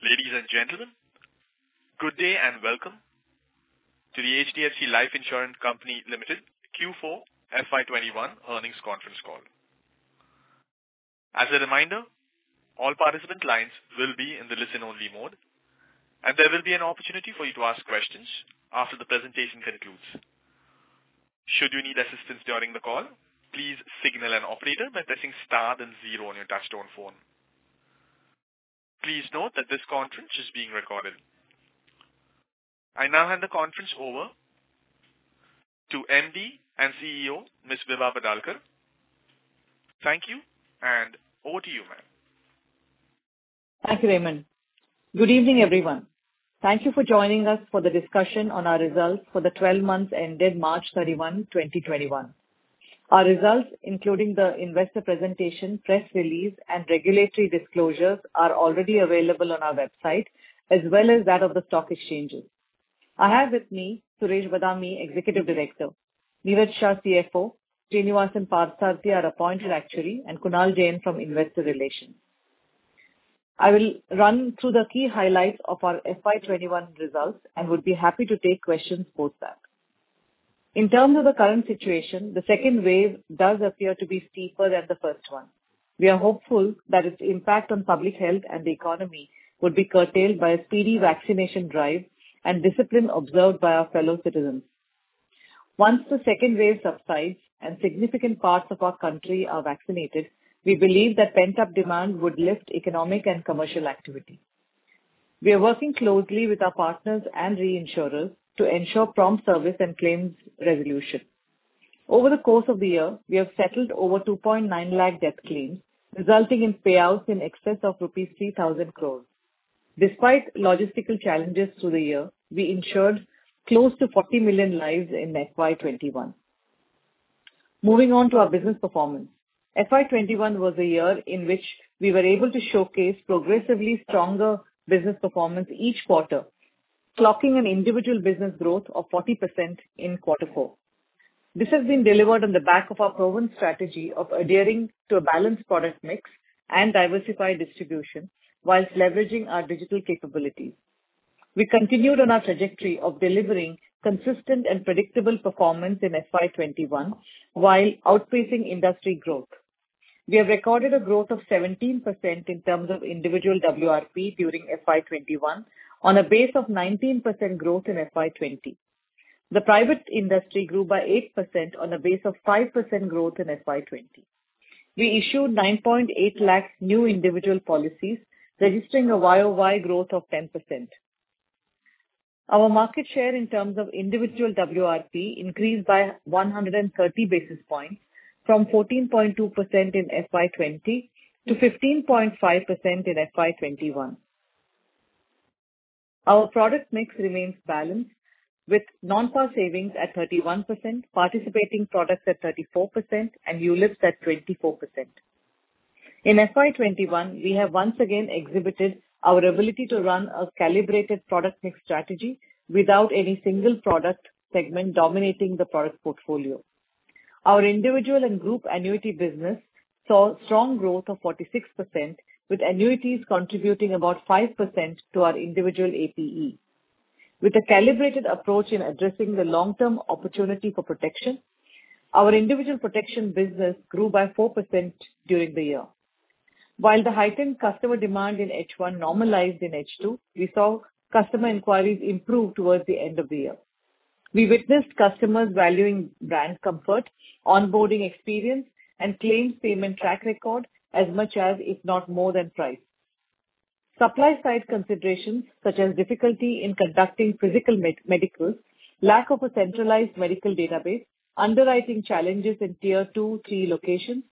Ladies and gentlemen, good day and welcome to the HDFC Life Insurance Company Limited Q4 FY 2021 earnings conference call. As a reminder, all participant lines will be in the listen-only mode, and there will be an opportunity for you to ask questions after the presentation concludes. Should you need assistance during the call, please signal an operator by pressing star then zero on your touchtone phone. Please note that this conference is being recorded. I now hand the conference over to MD and CEO, Ms. Vibha Padalkar. Thank you, and over to you, ma'am. Thank you, Raymond. Good evening, everyone. Thank you for joining us for the discussion on our results for the 12 months ended March 31, 2021. Our results, including the investor presentation, press release, and regulatory disclosures are already available on our website, as well as that of the stock exchanges. I have with me Suresh Badami, Executive Director, Niraj Shah, CFO, Srinivasan Parthasarathy, our Appointed Actuary, and Kunal Jain from Investor Relations. I will run through the key highlights of our FY 2021 results and would be happy to take questions post that. In terms of the current situation, the second wave does appear to be steeper than the first one. We are hopeful that its impact on public health and the economy would be curtailed by a speedy vaccination drive and discipline observed by our fellow citizens. Once the second wave subsides and significant parts of our country are vaccinated, we believe that pent-up demand would lift economic and commercial activity. We are working closely with our partners and reinsurers to ensure prompt service and claims resolution. Over the course of the year, we have settled over 2.9 lakh death claims, resulting in payouts in excess of rupees 3,000 crores. Despite logistical challenges through the year, we insured close to 40 million lives in FY 2021. Moving on to our business performance. FY 2021 was a year in which we were able to showcase progressively stronger business performance each quarter, clocking an individual business growth of 40% in quarter four. This has been delivered on the back of our proven strategy of adhering to a balanced product mix and diversified distribution whilst leveraging our digital capabilities. We continued on our trajectory of delivering consistent and predictable performance in FY 2021 while outpacing industry growth. We have recorded a growth of 17% in terms of individual WRP during FY 2021 on a base of 19% growth in FY 2020. The private industry grew by 8% on a base of 5% growth in FY 2020. We issued 9.8 lakh new individual policies, registering a Y-o-Y growth of 10%. Our market share in terms of individual WRP increased by 130 basis points from 14.2% in FY 2020 to 15.5% in FY 2021. Our product mix remains balanced with non-par savings at 31%, participating products at 34% and ULIPs at 24%. In FY 2021, we have once again exhibited our ability to run a calibrated product mix strategy without any single product segment dominating the product portfolio. Our individual and group annuity business saw strong growth of 46%, with annuities contributing about 5% to our individual APE. With a calibrated approach in addressing the long-term opportunity for protection, our individual protection business grew by 4% during the year. While the heightened customer demand in H1 normalized in H2, we saw customer inquiries improve towards the end of the year. We witnessed customers valuing brand comfort, onboarding experience, and claims payment track record as much as, if not more than, price. Supply side considerations such as difficulty in conducting physical medicals, lack of a centralized medical database, underwriting challenges in tier 2/3 locations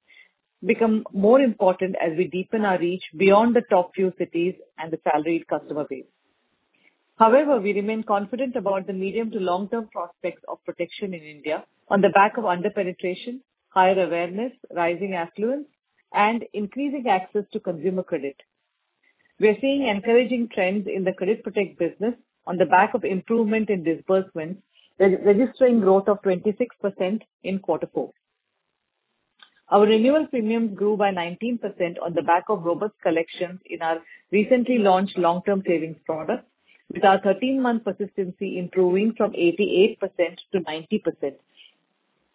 become more important as we deepen our reach beyond the top few cities and the salaried customer base. However, we remain confident about the medium to long-term prospects of protection in India on the back of under-penetration, higher awareness, rising affluence, and increasing access to consumer credit. We are seeing encouraging trends in the Credit Protect business on the back of improvement in disbursements, registering growth of 26% in quarter four. Our renewal premiums grew by 19% on the back of robust collections in our recently launched long-term savings products, with our 13-month persistency improving from 88% to 90%.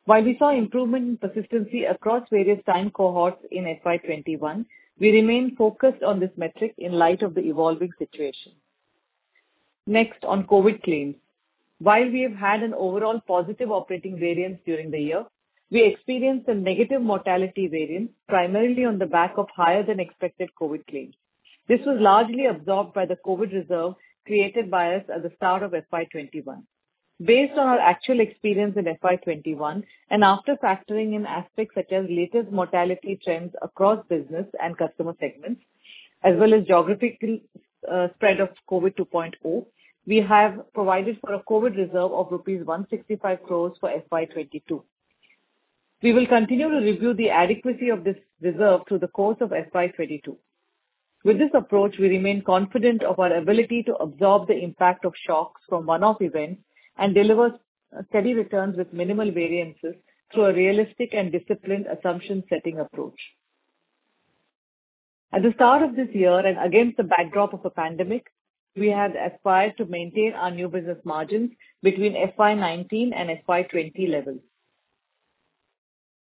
While we saw improvement in persistency across various time cohorts in FY 2021, we remain focused on this metric in light of the evolving situation. Next, on COVID claims. While we have had an overall positive operating variance during the year, we experienced a negative mortality variance, primarily on the back of higher than expected COVID claims. This was largely absorbed by the COVID reserve created by us at the start of FY 2021. Based on our actual experience in FY 2021, and after factoring in aspects such as latest mortality trends across business and customer segments, as well as geographic spread of COVID 2.0, we have provided for a COVID reserve of rupees 165 crores for FY 2022. We will continue to review the adequacy of this reserve through the course of FY 2022. With this approach, we remain confident of our ability to absorb the impact of shocks from one-off events and deliver Steady returns with minimal variances through a realistic and disciplined assumption setting approach. At the start of this year and against the backdrop of a pandemic, we had aspired to maintain our new business margins between FY 2019 and FY 2020 levels.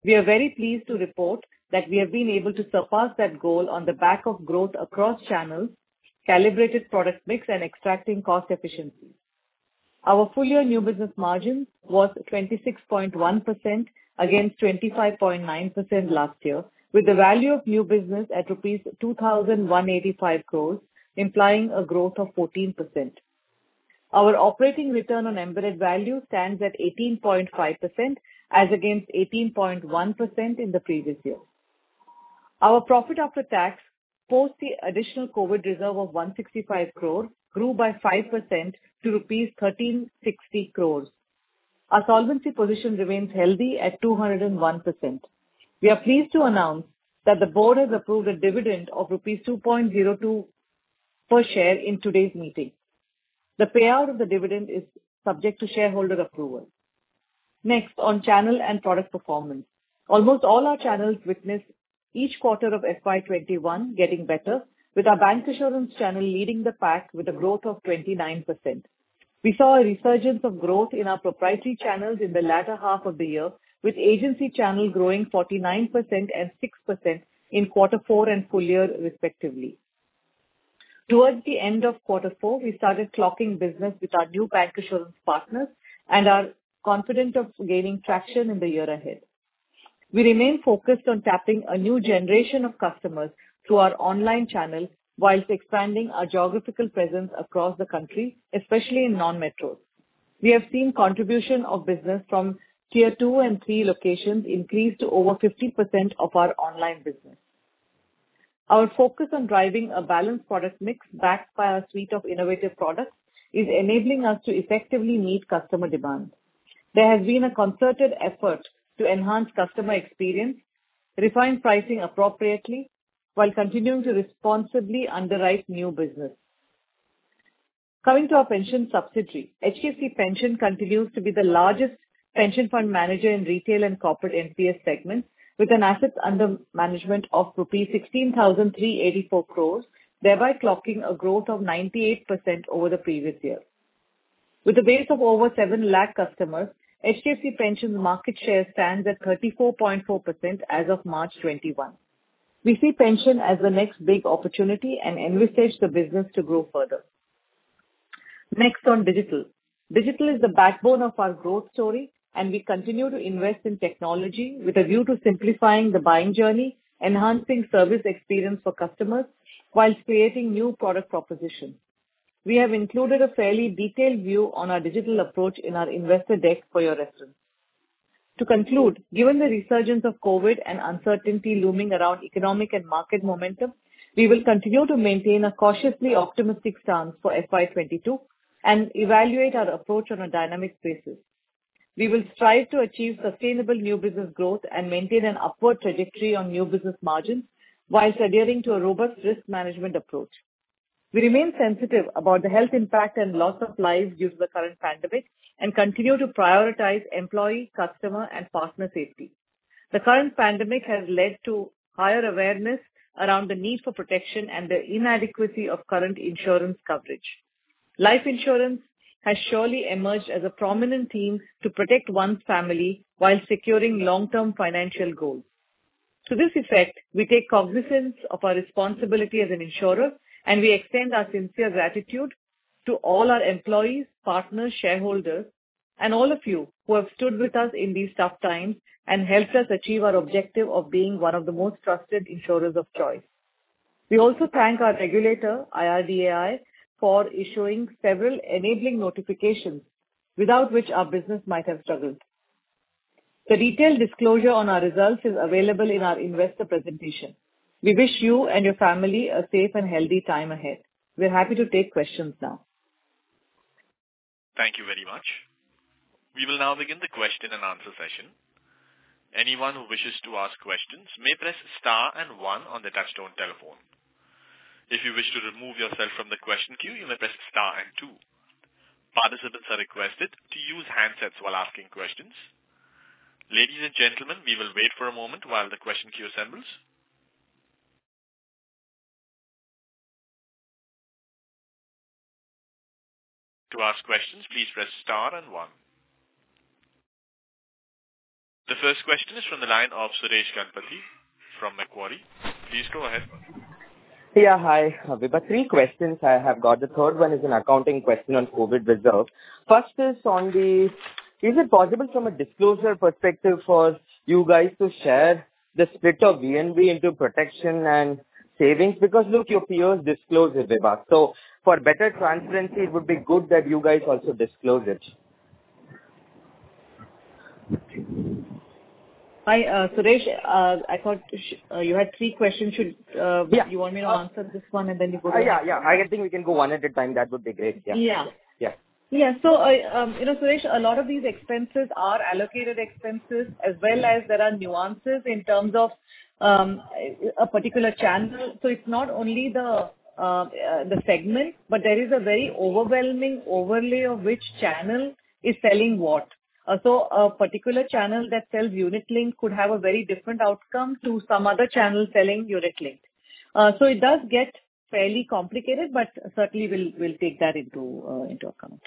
We are very pleased to report that we have been able to surpass that goal on the back of growth across channels, calibrated product mix, and extracting cost efficiencies. Our full year new business margin was 26.1% against 25.9% last year, with the value of new business at rupees 2,185 crores, implying a growth of 14%. Our operating return on embedded value stands at 18.5% as against 18.1% in the previous year. Our profit after tax, post the additional COVID reserve of 165 crores, grew by 5% to rupees 1,360 crores. Our solvency position remains healthy at 201%. We are pleased to announce that the board has approved a dividend of rupees 2.02 per share in today's meeting. The payout of the dividend is subject to shareholder approval. On channel and product performance. Almost all our channels witnessed each quarter of FY 2021 getting better, with our bancassurance channel leading the pack with a growth of 29%. We saw a resurgence of growth in our proprietary channels in the latter half of the year, with agency channel growing 49% and 6% in quarter four and full year respectively. Towards the end of quarter four, we started clocking business with our new bancassurance partners and are confident of gaining traction in the year ahead. We remain focused on tapping a new generation of customers through our online channels whilst expanding our geographical presence across the country, especially in non-metros. We have seen contribution of business from tier 2 and 3 locations increase to over 50% of our online business. Our focus on driving a balanced product mix backed by our suite of innovative products is enabling us to effectively meet customer demand. There has been a concerted effort to enhance customer experience, refine pricing appropriately, while continuing to responsibly underwrite new business. Coming to our pension subsidiary, HDFC Pension continues to be the largest pension fund manager in retail and corporate NPS segments with an assets under management of rupees 16,384 crores, thereby clocking a growth of 98% over the previous year. With a base of over seven lakh customers, HDFC Pension market share stands at 34.4% as of March 21. We see pension as the next big opportunity and envisage the business to grow further. Next, on digital. Digital is the backbone of our growth story, and we continue to invest in technology with a view to simplifying the buying journey, enhancing service experience for customers, whilst creating new product propositions. We have included a fairly detailed view on our digital approach in our investor deck for your reference. To conclude, given the resurgence of COVID and uncertainty looming around economic and market momentum, we will continue to maintain a cautiously optimistic stance for FY 2022 and evaluate our approach on a dynamic basis. We will strive to achieve sustainable new business growth and maintain an upward trajectory on new business margins whilst adhering to a robust risk management approach. We remain sensitive about the health impact and loss of lives due to the current pandemic and continue to prioritize employee, customer, and partner safety. The current pandemic has led to higher awareness around the need for protection and the inadequacy of current insurance coverage. Life insurance has surely emerged as a prominent theme to protect one's family whilst securing long-term financial goals. To this effect, we take cognizance of our responsibility as an insurer, and we extend our sincere gratitude to all our employees, partners, shareholders, and all of you who have stood with us in these tough times and helped us achieve our objective of being one of the most trusted insurers of choice. We also thank our regulator, IRDAI, for issuing several enabling notifications, without which our business might have struggled. The detailed disclosure on our results is available in our investor presentation. We wish you and your family a safe and healthy time ahead. We're happy to take questions now. Thank you very much. We will now begin the question-and-answer session. Anyone who wishes to ask questions may press star and one on the touchtone telephone. If you wish to remove yourself from the question queue, you may press star and two. Participants are requested to use handsets while asking questions. Ladies and gentlemen, we will wait for a moment while the question queue assembles. To ask questions, please press star then one. The first question is from the line of Suresh Ganapathy from Macquarie. Please go ahead. Yeah, hi. We've got three questions I have got. The third one is an accounting question on COVID reserves. First, is it possible from a disclosure perspective for you guys to share the split of VNB into protection and savings? Look, your peers disclose it. For better transparency, it would be good that you guys also disclose it. Hi, Suresh. I thought you had three questions. Yeah. You want me to answer this one? Yeah. I think we can go one at a time. That would be great. Yeah. Yeah. Yeah. Yeah. Suresh, a lot of these expenses are allocated expenses, as well as there are nuances in terms of a particular channel. It's not only the segment, but there is a very overwhelming overlay of which channel is selling what. A particular channel that sells unit link could have a very different outcome to some other channel selling unit link. It does get fairly complicated, but certainly we'll take that into account.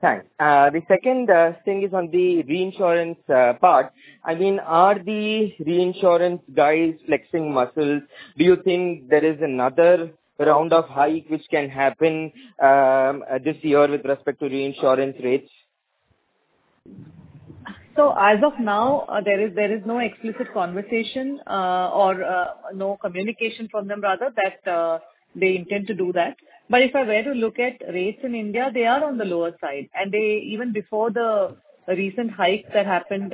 Thanks. The second thing is on the reinsurance part. Are the reinsurance guys flexing muscles? Do you think there is another round of hike which can happen this year with respect to reinsurance rates? As of now, there is no explicit conversation or no communication from them rather, that they intend to do that. If I were to look at rates in India, they are on the lower side. Even before the recent hike that happened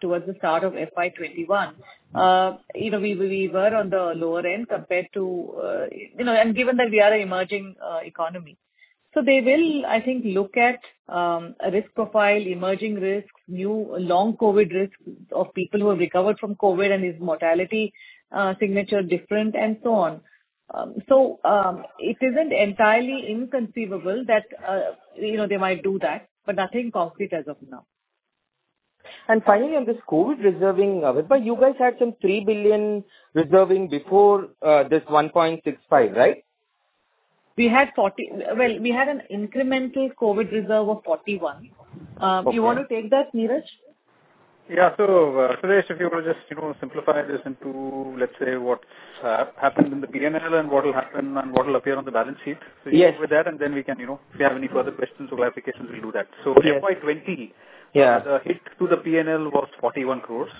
towards the start of FY 2021, we were on the lower end and given that we are an emerging economy. They will, I think, look at risk profile, emerging risks, new long COVID risks of people who have recovered from COVID and is mortality signature different, and so on. It isn't entirely inconceivable that they might do that, but nothing concrete as of now. Finally, on this COVID reserving, Vibha, you guys had some 3 billion reserving before this 1.65, right? Well, we had an incremental COVID reserve of 41. Okay. Do you want to take that, Niraj? Yeah. Suresh, if you were to just simplify this into, let's say, what's happened in the P&L and what'll appear on the balance sheet. Yes. If you go with that, and then if you have any further questions or clarifications, we'll do that. Yes. So FY 2020- Yeah the hit to the P&L was 41 crores.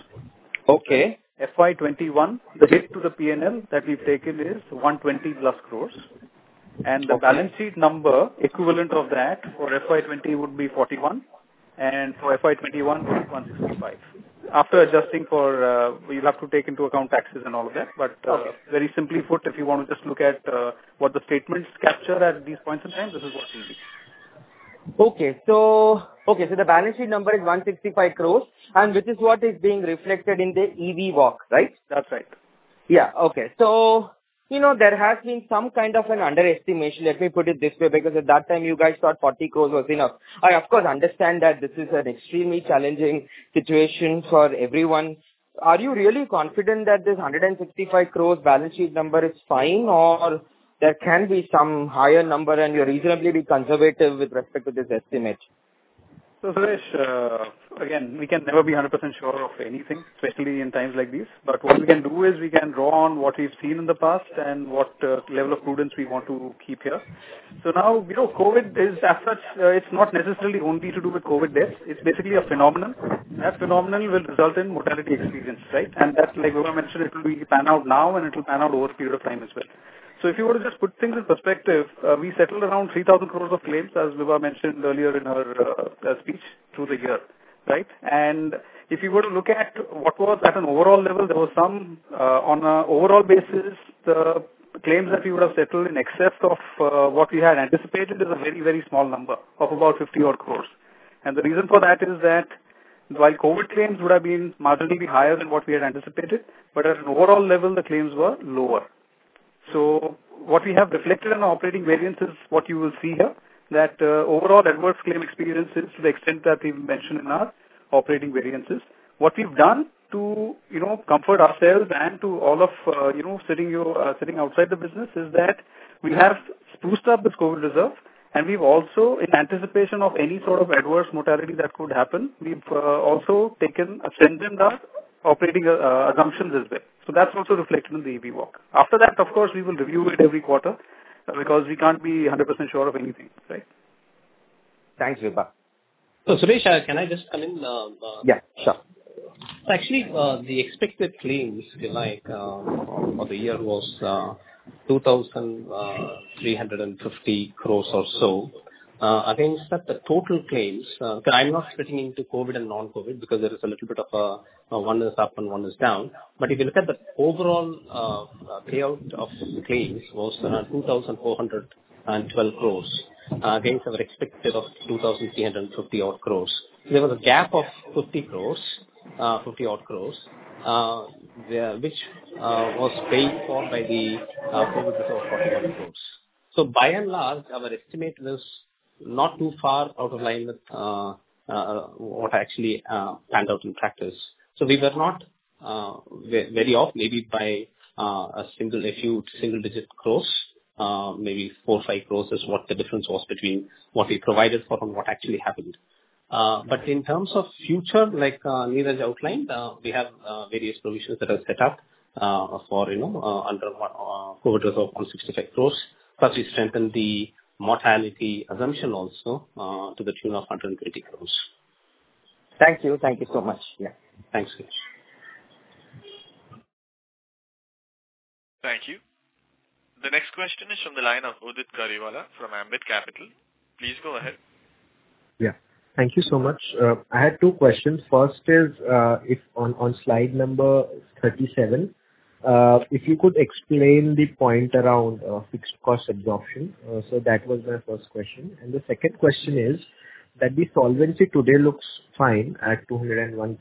Okay. FY21, the hit to the P&L that we've taken is 120 plus crores. Okay. The balance sheet number equivalent of that for FY 2020 would be 41 and for FY 2021 was 165. After adjusting for, we will have to take into account taxes and all of that. Okay. Very simply put, if you want to just look at what the statements capture at these points in time, this is what you need. Okay. The balance sheet number is 165 crores, and which is what is being reflected in the EV Walk, right? That's right. Okay. There has been some kind of an underestimation, let me put it this way, because at that time you guys thought 40 crore was enough. I, of course, understand that this is an extremely challenging situation for everyone. Are you really confident that this 165 crore balance sheet number is fine, or there can be some higher number and you're reasonably conservative with respect to this estimate? Suresh, again, we can never be 100% sure of anything, especially in times like these. What we can do is we can draw on what we've seen in the past and what level of prudence we want to keep here. Now, COVID as such, it's not necessarily only to do with COVID deaths. It's basically a phenomenon. That phenomenon will result in mortality experience, right? That, like Vibha mentioned, it will pan out now and it'll pan out over a period of time as well. If you were to just put things in perspective, we settled around 3,000 crores of claims, as Vibha mentioned earlier in her speech, through the year. Right? If you were to look at what was at an overall level, there was some on an overall basis, the claims that we would have settled in excess of what we had anticipated is a very small number of about 50 odd crores. The reason for that is that while COVID claims would have been marginally higher than what we had anticipated, but at an overall level, the claims were lower. What we have reflected in our operating variance is what you will see here, that overall adverse claim experience is to the extent that we've mentioned in our operating variances. What we've done to comfort ourselves and to all of you sitting outside the business is that we have spruced up the COVID reserve, and we've also, in anticipation of any sort of adverse mortality that could happen, we've also taken a sentiment our operating assumptions as well. That's also reflected in the EV Walk. After that, of course, we will review it every quarter because we can't be 100% sure of anything, right? Thanks, Vibha. Suresh, can I just come in? Yeah, sure. Actually, the expected claims for the year was 2,350 crores or so against the total claims. I'm not splitting into COVID and non-COVID because there is a little bit of one is up and one is down. If you look at the overall payout of claims was 2,412 crores against our expected of 2,350 odd crores. There was a gap of 50 odd crores, which was paid for by the COVID reserve of 41 crores. By and large, our estimate was not too far out of line with what actually panned out in practice. We were not very off, maybe by a few single-digit crores, maybe 4 or 5 crores is what the difference was between what we provided for and what actually happened. In terms of future, like Niraj outlined, we have various provisions that are set up under COVID reserve of 165 crores. We strengthened the mortality assumption also to the tune of 120 crores. Thank you so much. Yeah. Thanks. Thank you. The next question is from the line of Udit Karewala from Ambit Capital. Please go ahead. Yeah. Thank you so much. I had two questions. First is, on slide number 37, if you could explain the point around fixed cost absorption. That was my first question. The second question is that the solvency today looks fine at 201%,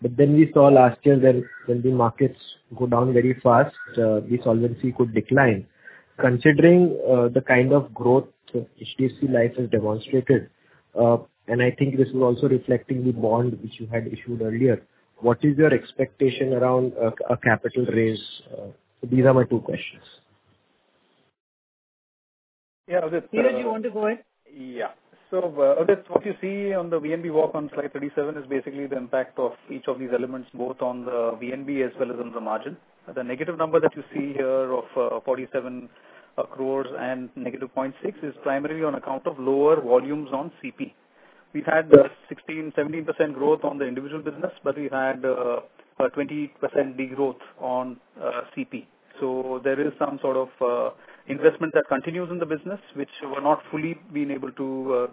but then we saw last year when the markets go down very fast, the solvency could decline. Considering the kind of growth that HDFC Life has demonstrated, and I think this is also reflecting the bond which you had issued earlier, what is your expectation around a capital raise? These are my two questions. Yeah. Niraj, do you want to go ahead? Yeah. What you see on the VNB walk on slide 37 is basically the impact of each of these elements, both on the VNB as well as on the margin. The negative number that you see here of 47 crore and -0.6% is primarily on account of lower volumes on CP. We've had 16%, 17% growth on the individual business. We've had 20% degrowth on CP. There is some sort of investment that continues in the business, which were not fully been able to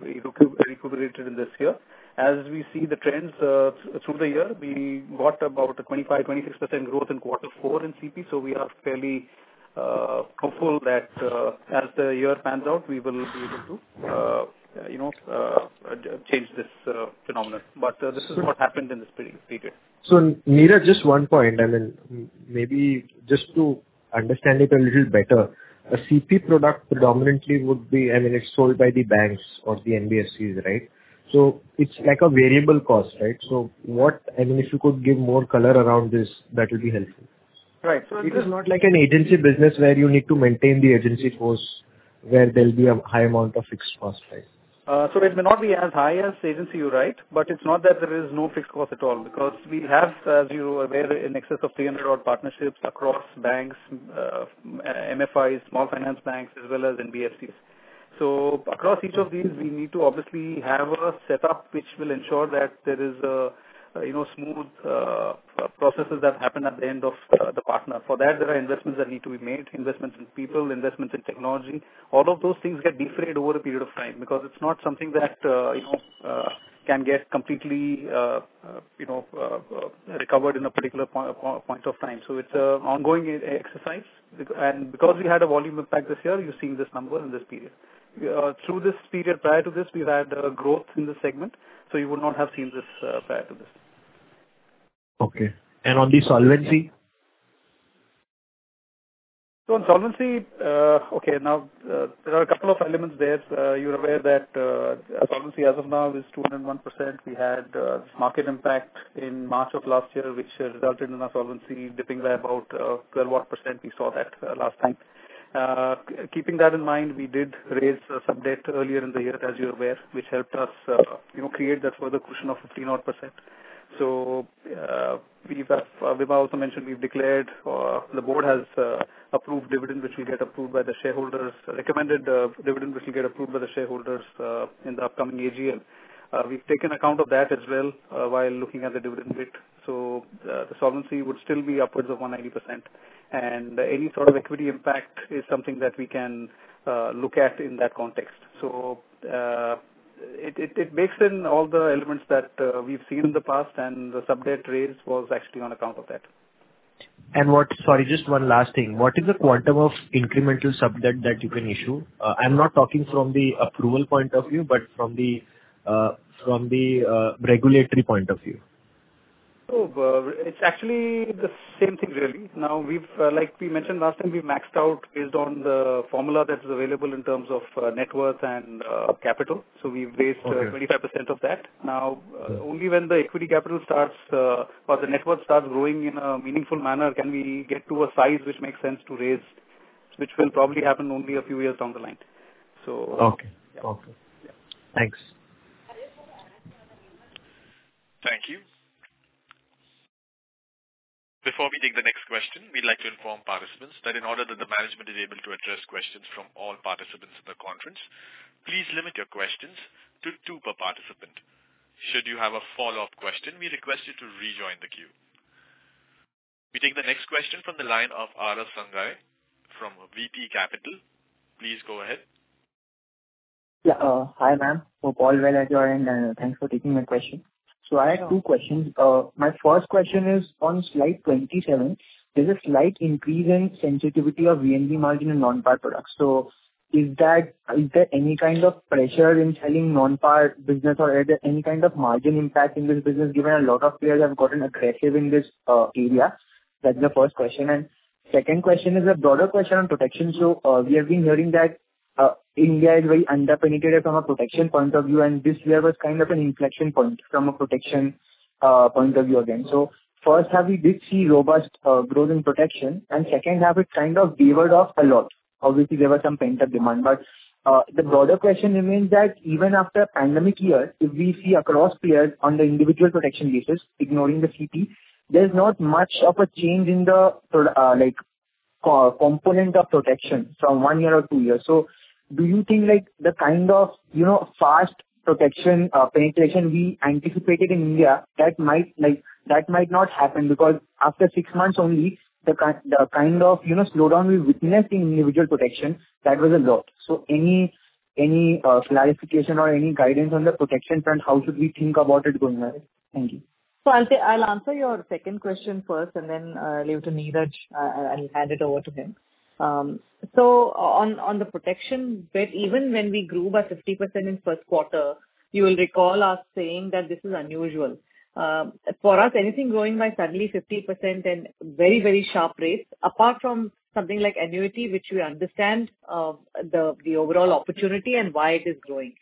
recuperated in this year. As we see the trends through the year, we got about 25%, 26% growth in quarter four in CP. We are fairly hopeful that as the year pans out, we will be able to change this phenomenon. This is what happened in this period. Niraj, just one point, and then maybe just to understand it a little better. A CP product predominantly would be sold by the banks or the NBFCs, right? It's like a variable cost, right? I mean, if you could give more color around this, that'll be helpful. Right. It is not like an agency business where you need to maintain the agency force, where there'll be a high amount of fixed costs, right? It may not be as high as agency, you're right, but it's not that there is no fixed cost at all because we have, as you are aware, in excess of 300 partnerships across banks, MFIs, small finance banks, as well as NBFCs. Across each of these, we need to obviously have a setup which will ensure that there is smooth processes that happen at the end of the partner. For that, there are investments that need to be made, investments in people, investments in technology. All of those things get defrayed over a period of time because it's not something that can get completely recovered in a particular point of time. It's an ongoing exercise. Because we had a volume impact this year, you're seeing this number in this period. Through this period prior to this, we've had growth in the segment. You would not have seen this prior to this. Okay. On the solvency? On solvency, okay, now there are a couple of elements there. You're aware that our solvency as of now is 201%. We had this market impact in March of last year, which resulted in our solvency dipping by about 12-odd%. We saw that last time. Keeping that in mind, we did raise sub-debt earlier in the year, as you're aware, which helped us create that further cushion of 15-odd%. Vibha also mentioned we've declared the board has approved dividend, which will get approved by the shareholders, recommended dividend, which will get approved by the shareholders in the upcoming AGM. We've taken account of that as well while looking at the dividend bit. The solvency would still be upwards of 180%, and any sort of equity impact is something that we can look at in that context. It bakes in all the elements that we've seen in the past and the sub-debt raise was actually on account of that. Sorry, just one last thing. What is the quantum of incremental sub-debt that you can issue? I'm not talking from the approval point of view, but from the regulatory point of view. It's actually the same thing really. Like we mentioned last time, we maxed out based on the formula that is available in terms of net worth and capital. We've raised 25% of that. Only when the equity capital starts or the net worth starts growing in a meaningful manner can we get to a size which makes sense to raise, which will probably happen only a few years down the line. Okay. Yeah. Thanks. Thank you. Before we take the next question, we'd like to inform participants that in order that the management is able to address questions from all participants in the conference, please limit your questions to two per participant. Should you have a follow-up question, we request you to rejoin the queue. We take the next question from the line of Aarav Sanghavi from VP Capital. Please go ahead. Hi, ma'am. Hope all well at your end, and thanks for taking my question. I have two questions. My first question is on slide 27. There's a slight increase in sensitivity of VNB margin in non-par products. Is there any kind of pressure in selling non-par business or is there any kind of margin impact in this business given a lot of players have gotten aggressive in this area? That's my first question and second question is a broader question on protection. We have been hearing that India is very under-penetrated from a protection point of view, and this year was kind of an inflection point from a protection point of view again. First half we did see robust growth in protection and second half it kind of wavered off a lot. Obviously, there were some pent-up demand. The broader question remains that even after pandemic year, if we see across peers on the individual protection basis, ignoring the CP, there's not much of a change in the component of protection from one year or two years. Do you think the kind of fast protection penetration we anticipated in India that might not happen because after six months only, the kind of slowdown we witnessed in individual protection, that was a lot. Any clarification or any guidance on the protection front, how should we think about it going ahead? Thank you. I'll answer your second question first and then leave to Niraj. I'll hand it over to him. On the protection bit, even when we grew by 50% in first quarter, you will recall us saying that this is unusual. For us, anything growing by suddenly 50% and very sharp rates, apart from something like annuity, which we understand the overall opportunity and why it is growing.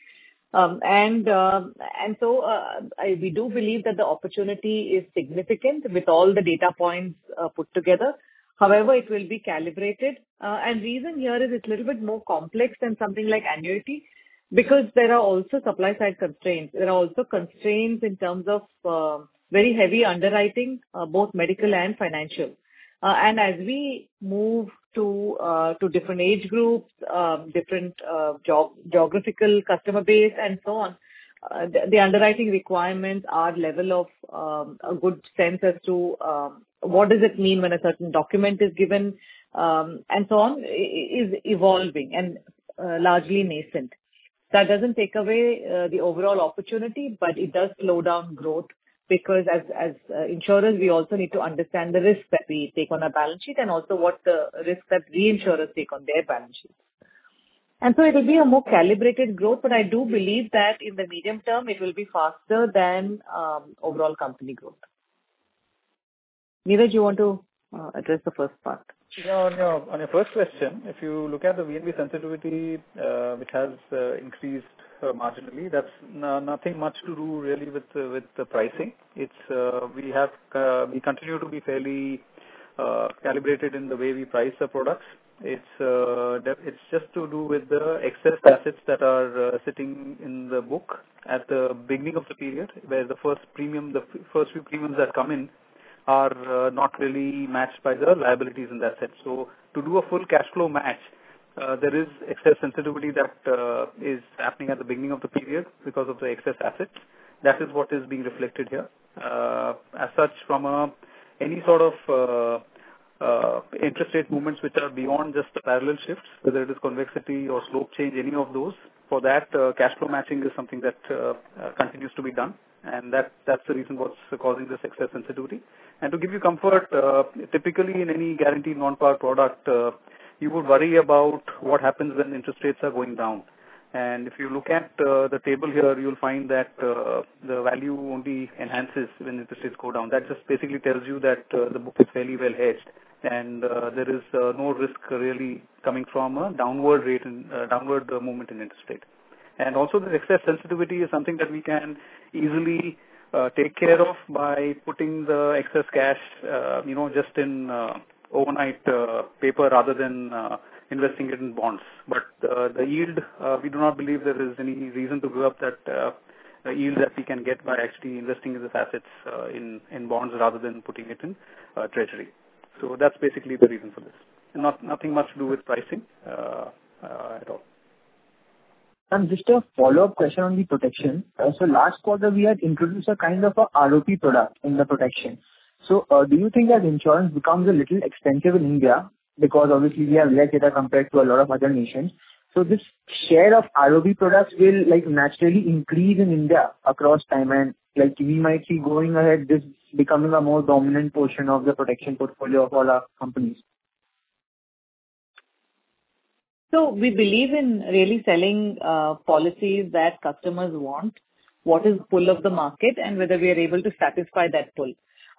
We do believe that the opportunity is significant with all the data points put together. However, it will be calibrated. Reason here is it's a little bit more complex than something like annuity because there are also supply-side constraints. There are also constraints in terms of very heavy underwriting, both medical and financial. As we move to different age groups, different geographical customer base, and so on, the underwriting requirements are level of a good sense as to what does it mean when a certain document is given, and so on, is evolving and largely nascent. That doesn't take away the overall opportunity, but it does slow down growth because as insurers, we also need to understand the risk that we take on our balance sheet and also what the risk that reinsurers take on their balance sheets. It will be a more calibrated growth, but I do believe that in the medium term it will be faster than overall company growth. Niraj, you want to address the first part? On your first question, if you look at the VNB sensitivity which has increased marginally, that's nothing much to do really with the pricing. We continue to be fairly calibrated in the way we price the products. It's just to do with the excess assets that are sitting in the book at the beginning of the period, where the first few premiums that come in are not really matched by the liabilities and assets. To do a full cash flow match, there is excess sensitivity that is happening at the beginning of the period because of the excess assets. That is what is being reflected here. As such, from any sort of interest rate movements which are beyond just the parallel shifts, whether it is convexity or slope change, any of those, for that, cash flow matching is something that continues to be done. That's the reason what's causing this excess sensitivity. To give you comfort, typically in any guaranteed non-par product, you would worry about what happens when interest rates are going down. If you look at the table here, you'll find that the value only enhances when interest rates go down. That just basically tells you that the book is fairly well hedged and there is no risk really coming from a downward movement in interest rate. Also the excess sensitivity is something that we can easily take care of by putting the excess cash just in overnight paper rather than investing it in bonds. The yield we do not believe there is any reason to give up that yield that we can get by actually investing these assets in bonds rather than putting it in treasury. That's basically the reason for this. Nothing much to do with pricing at all. Ma'am, just a follow-up question on the protection. Last quarter we had introduced a kind of a ROP product in the protection. Do you think that insurance becomes a little expensive in India? Obviously we have less data compared to a lot of other nations. This share of ROP products will naturally increase in India across time and we might see going ahead this becoming a more dominant portion of the protection portfolio for our companies. We believe in really selling policies that customers want, what is pull of the market and whether we are able to satisfy that pull.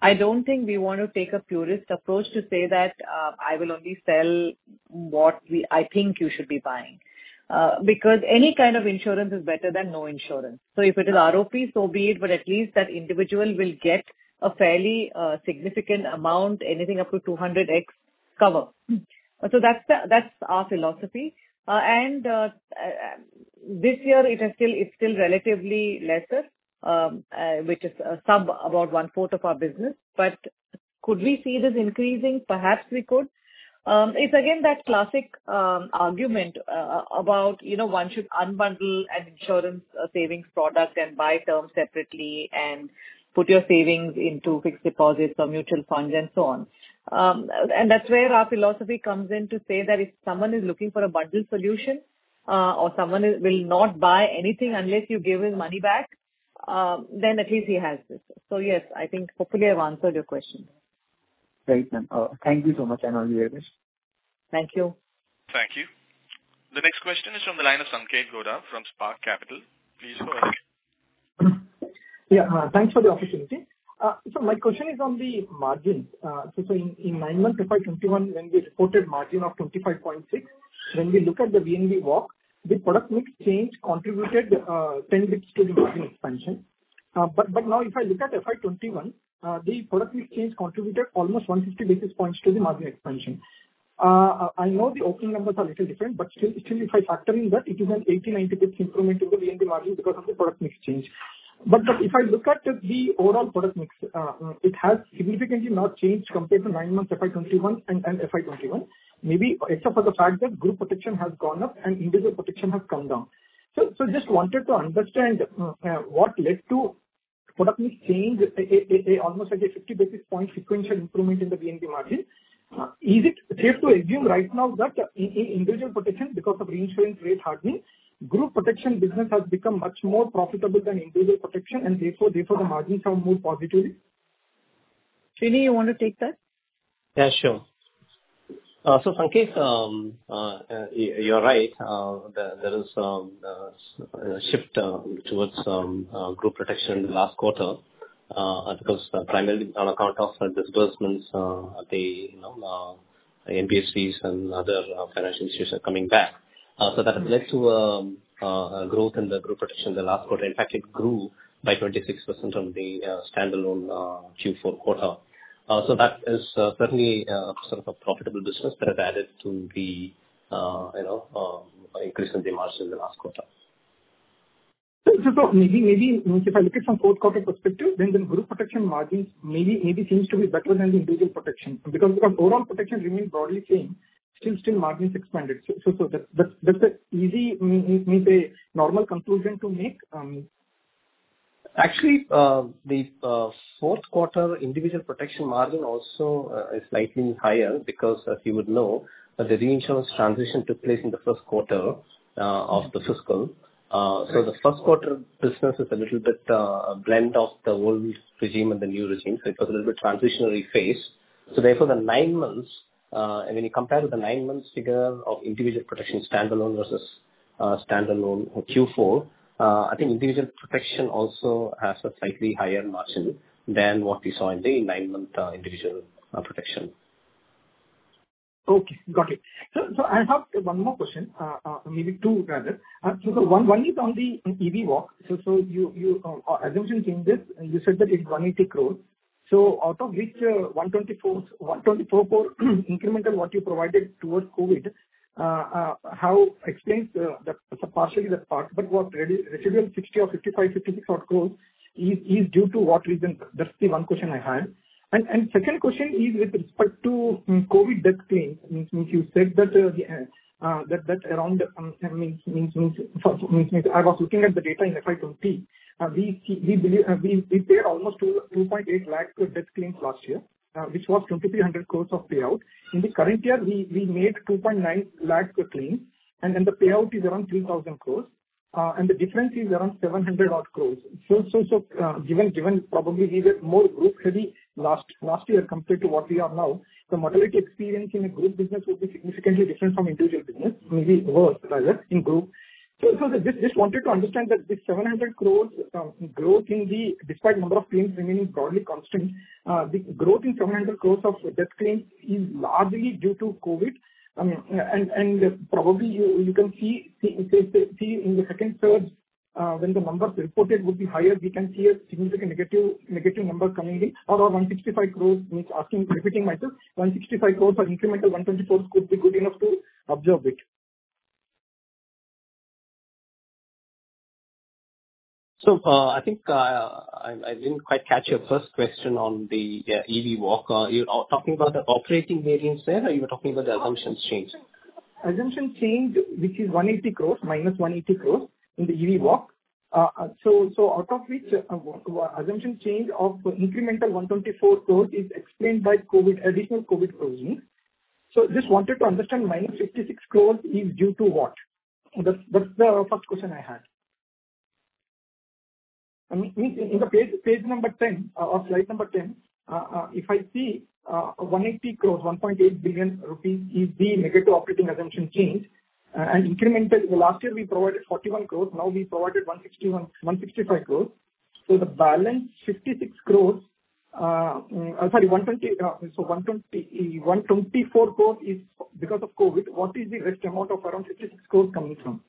I don't think we want to take a purist approach to say that I will only sell what I think you should be buying because any kind of insurance is better than no insurance. If it is ROP, so be it, but at least that individual will get a fairly significant amount, anything up to 200x cover. That's our philosophy. This year it's still relatively lesser, which is sub about one-fourth of our business. Could we see this increasing? Perhaps we could. It's again that classic argument about one should unbundle an insurance savings product and buy terms separately and put your savings into fixed deposits or mutual funds and so on. That's where our philosophy comes in to say that if someone is looking for a bundled solution or someone will not buy anything unless you give him money back, then at least he has this. Yes, I think hopefully I've answered your question. Great, ma'am. Thank you so much and all the very best. Thank you. Thank you. The next question is from the line of Sanketh Godha from Spark Capital. Please go ahead. Yeah, thanks for the opportunity. My question is on the margins. In nine months FY 2021, when we reported margin of 25.6, when we look at the VNB walk, the product mix change contributed 10 basis points to the margin expansion. Now if I look at FY 2021, the product mix change contributed almost 150 basis points to the margin expansion. I know the opening numbers are little different, but still if I factor in that it is an 80, 90 basis points improvement to the VNB margin because of the product mix change. If I look at the overall product mix, it has significantly not changed compared to nine months FY 2021 and FY 2021, maybe except for the fact that group protection has gone up and individual protection has come down. Just wanted to understand what led to product mix change almost like a 50 basis point sequential improvement in the VNB margin. Is it safe to assume right now that individual protection because of reinsurance rate hardening group protection business has become much more profitable than individual protection and therefore the margins are more positively? Srini, you want to take that? Yeah, sure. Sanketh, you're right. There is a shift towards group protection last quarter, primarily on account of disbursements. The NBFCs and other financial institutions are coming back. That has led to a growth in the group protection in the last quarter. In fact, it grew by 26% on the standalone Q4 quarter. That is certainly a profitable business that has added to the increase in the margin in the last quarter. Maybe if I look at from fourth quarter perspective, then the group protection margins maybe seems to be better than the individual protection, because overall protection remains broadly same, still margins expanded. That's an easy, maybe normal conclusion to make? Actually, the fourth quarter individual protection margin also is slightly higher because as you would know, the reinsurance transition took place in the first quarter of the fiscal. The first quarter business is a little bit a blend of the old regime and the new regime. It was a little bit transitional phase. Therefore, when you compare the nine-month figure of individual protection standalone versus standalone Q4, I think individual protection also has a slightly higher margin than what we saw in the nine-month individual protection. Okay. Got it. I have one more question, maybe two rather. One is on the EV walk. Your assumption changed, you said that it's 180 crore. Out of which 124 incremental what you provided towards COVID, explain partially that part, but what residual 60 crore or 55 crore-56 crore is due to what reason? That's the one question I had. Second question is with respect to COVID death claim. I was looking at the data in FY 2020. We paid almost 2.8 lakh to death claims last year, which was 2,300 crore of payout. In the current year, we made 2.9 lakh per claim, and the payout is around 3,000 crore, and the difference is around 700 crore. Given probably we were more group heavy last year compared to what we are now, the mortality experience in a group business will be significantly different from individual business, maybe worse rather in group. Just wanted to understand that this 700 crores growth despite number of claims remaining broadly constant, the growth in 700 crores of death claims is largely due to COVID. Probably you can see in the second surge when the numbers reported would be higher, we can see a significantly negative number coming in or our 165 crores, repeating myself, 165 crores or incremental 124 crores could be good enough to absorb it. I think I didn't quite catch your first question on the EV Walk. You're talking about the operating variance there or you were talking about the assumptions change? Assumption change which is 180 crores, -180 crores in the EV Walk. Out of which assumption change of incremental 124 crores is explained by additional COVID provision. Just wanted to understand -56 crores is due to what? That's the first question I had. In the page number 10 or slide number 10, if I see 180 crores, 1.8 billion rupees is the negative operating assumption change and incremental, last year we provided 41 crores, now we provided 165 crores. The balance 124 crores is because of COVID, what is the rest amount of around 56 crores coming from?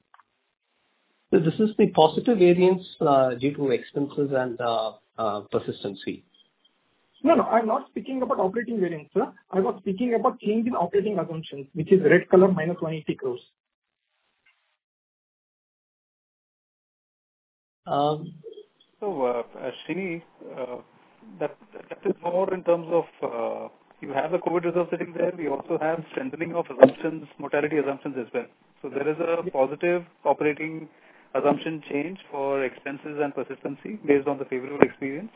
This is the positive variance due to expenses and persistency. No, no. I'm not speaking about operating variance. I was speaking about change in operating assumptions, which is red color, -180 crores. Srini, that is more in terms of you have the COVID reserve sitting there. We also have strengthening of mortality assumptions as well. There is a positive operating assumption change for expenses and persistency based on the favorable experience.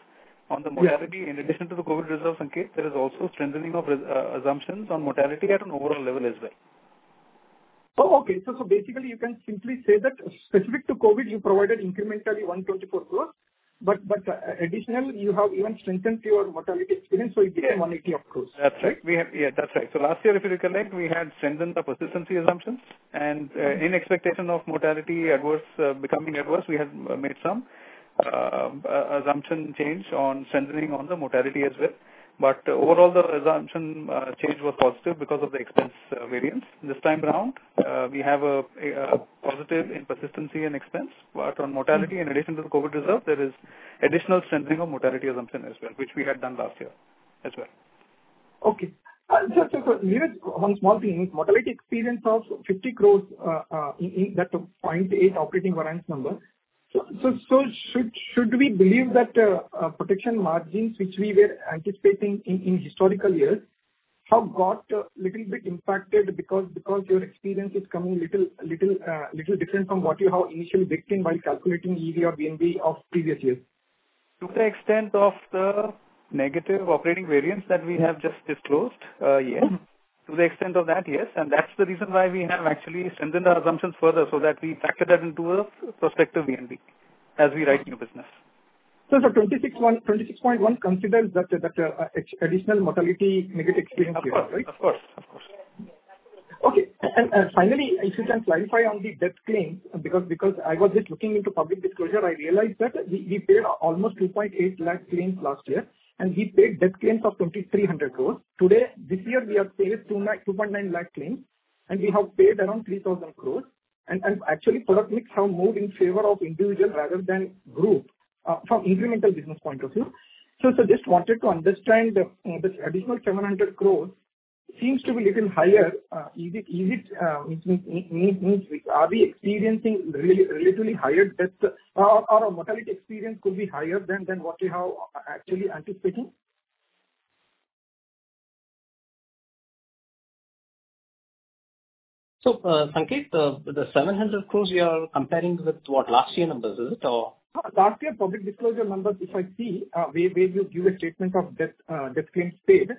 On the mortality, in addition to the COVID reserve, Sanketh, there is also strengthening of assumptions on mortality at an overall level as well. Basically you can simply say that specific to COVID, you provided incrementally 124 crores, but additional you have even strengthened your mortality experience, so it became 180 crores. That's right. Last year, if you recollect, we had strengthened the persistency assumptions and in expectation of mortality becoming adverse, we had made some assumption change on strengthening on the mortality as well. Overall, the assumption change was positive because of the expense variance. This time around, we have a positive in persistency and expense, but on mortality, in addition to the COVID reserve, there is additional strengthening of mortality assumption as well, which we had done last year as well. Okay. Just one small thing. Mortality experience of 50 crores, that 0.8 operating variance number. Should we believe that protection margins which we were anticipating in historical years have got little bit impacted because your experience is coming little different from what you have initially baked in while calculating EV or VNB of previous years? To the extent of the negative operating variance that we have just disclosed, yes. To the extent of that, yes. That's the reason why we have actually strengthened our assumptions further so that we factor that into a prospective VNB. As we write new business. For 26.1, consider that additional mortality negative experience, right? Of course. Okay. Finally, if you can clarify on the death claim, because I was just looking into public disclosure, I realized that we paid almost 2.8 lakh claims last year, and we paid death claims of 2,300 crores. Today, this year, we have paid 2.9 lakh claims, and we have paid around 3,000 crores. Actually, product mix have moved in favor of individual rather than group, from incremental business point of view. Just wanted to understand this additional 700 crores seems to be little higher. Are we experiencing relatively higher death or our mortality experience could be higher than what we have actually anticipating? Sanketh, the 700 crore we are comparing with what last year numbers, is it? Last year public disclosure numbers, if I see, where they give a statement of death claims paid.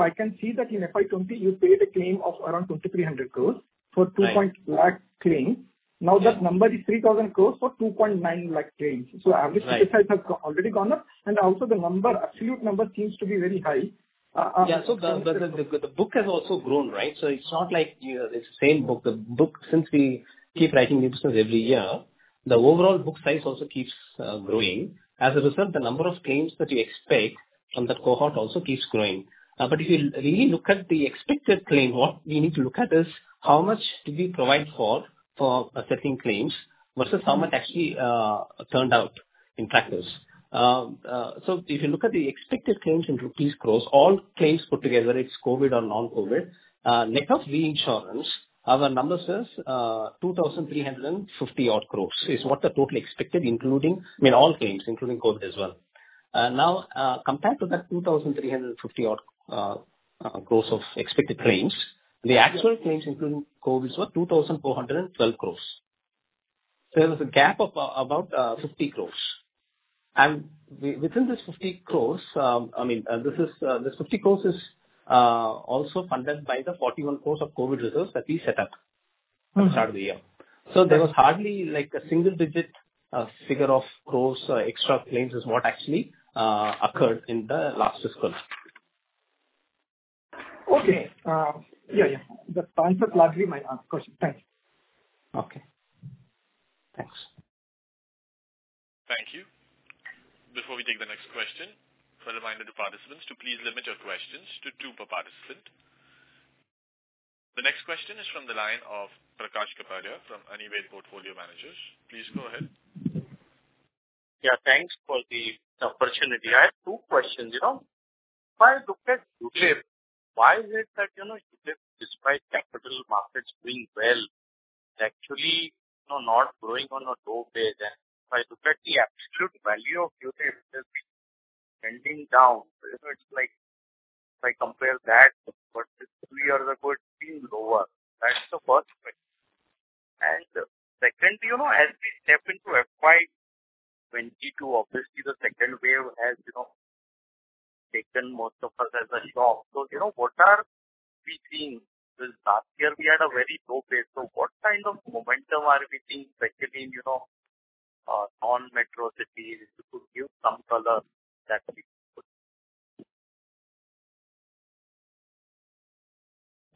I can see that in FY 2020, you paid a claim of around 2,300 crores for 2 point lakh claims. That number is 3,000 crores for 2.9 lakh claims. Right. Size has already gone up and also the absolute number seems to be very high. Yeah. The book has also grown, right? It's not like it's the same book. The book, since we keep writing new business every year, the overall book size also keeps growing. As a result, the number of claims that we expect from that cohort also keeps growing. If you really look at the expected claim, what we need to look at is how much did we provide for accepting claims versus how much actually turned out in practice. If you look at the expected claims in rupees crores, all claims put together, it's COVID or non-COVID. Net of reinsurance, our number says 2,350 odd crores is what the total expected including, I mean, all claims, including COVID as well. Compared to that 2,350 crore odd of expected claims, the actual claims including COVID were 2,412 crore. There was a gap of about 50 crore. Within this 50 crore, this 50 crore is also funded by the 41 crore of COVID reserves that we set up at the start of the year. There was hardly a single-digit figure of crores extra claims is what actually occurred in the last fiscal. Okay. Yeah. That answers largely my question. Thanks. Okay. Thanks. Thank you. Before we take the next question, a reminder to participants to please limit your questions to two per participant. The next question is from the line of Prakash Kapadia from Anived Portfolio Managers. Please go ahead. Yeah, thanks for the opportunity. I have two questions. If I look at UL, why is it that UL, despite capital markets doing well, it's actually not growing on a low base and if I look at the absolute value of UL, it is trending down. If I compare that with three years ago, it's been lower. That's the first question. Secondly, as we step into FY 2022, obviously the second wave has taken most of us as a shock. What are we seeing? Because last year we had a very low base. What kind of momentum are we seeing, especially in non-metro cities? If you could give some color that would be good.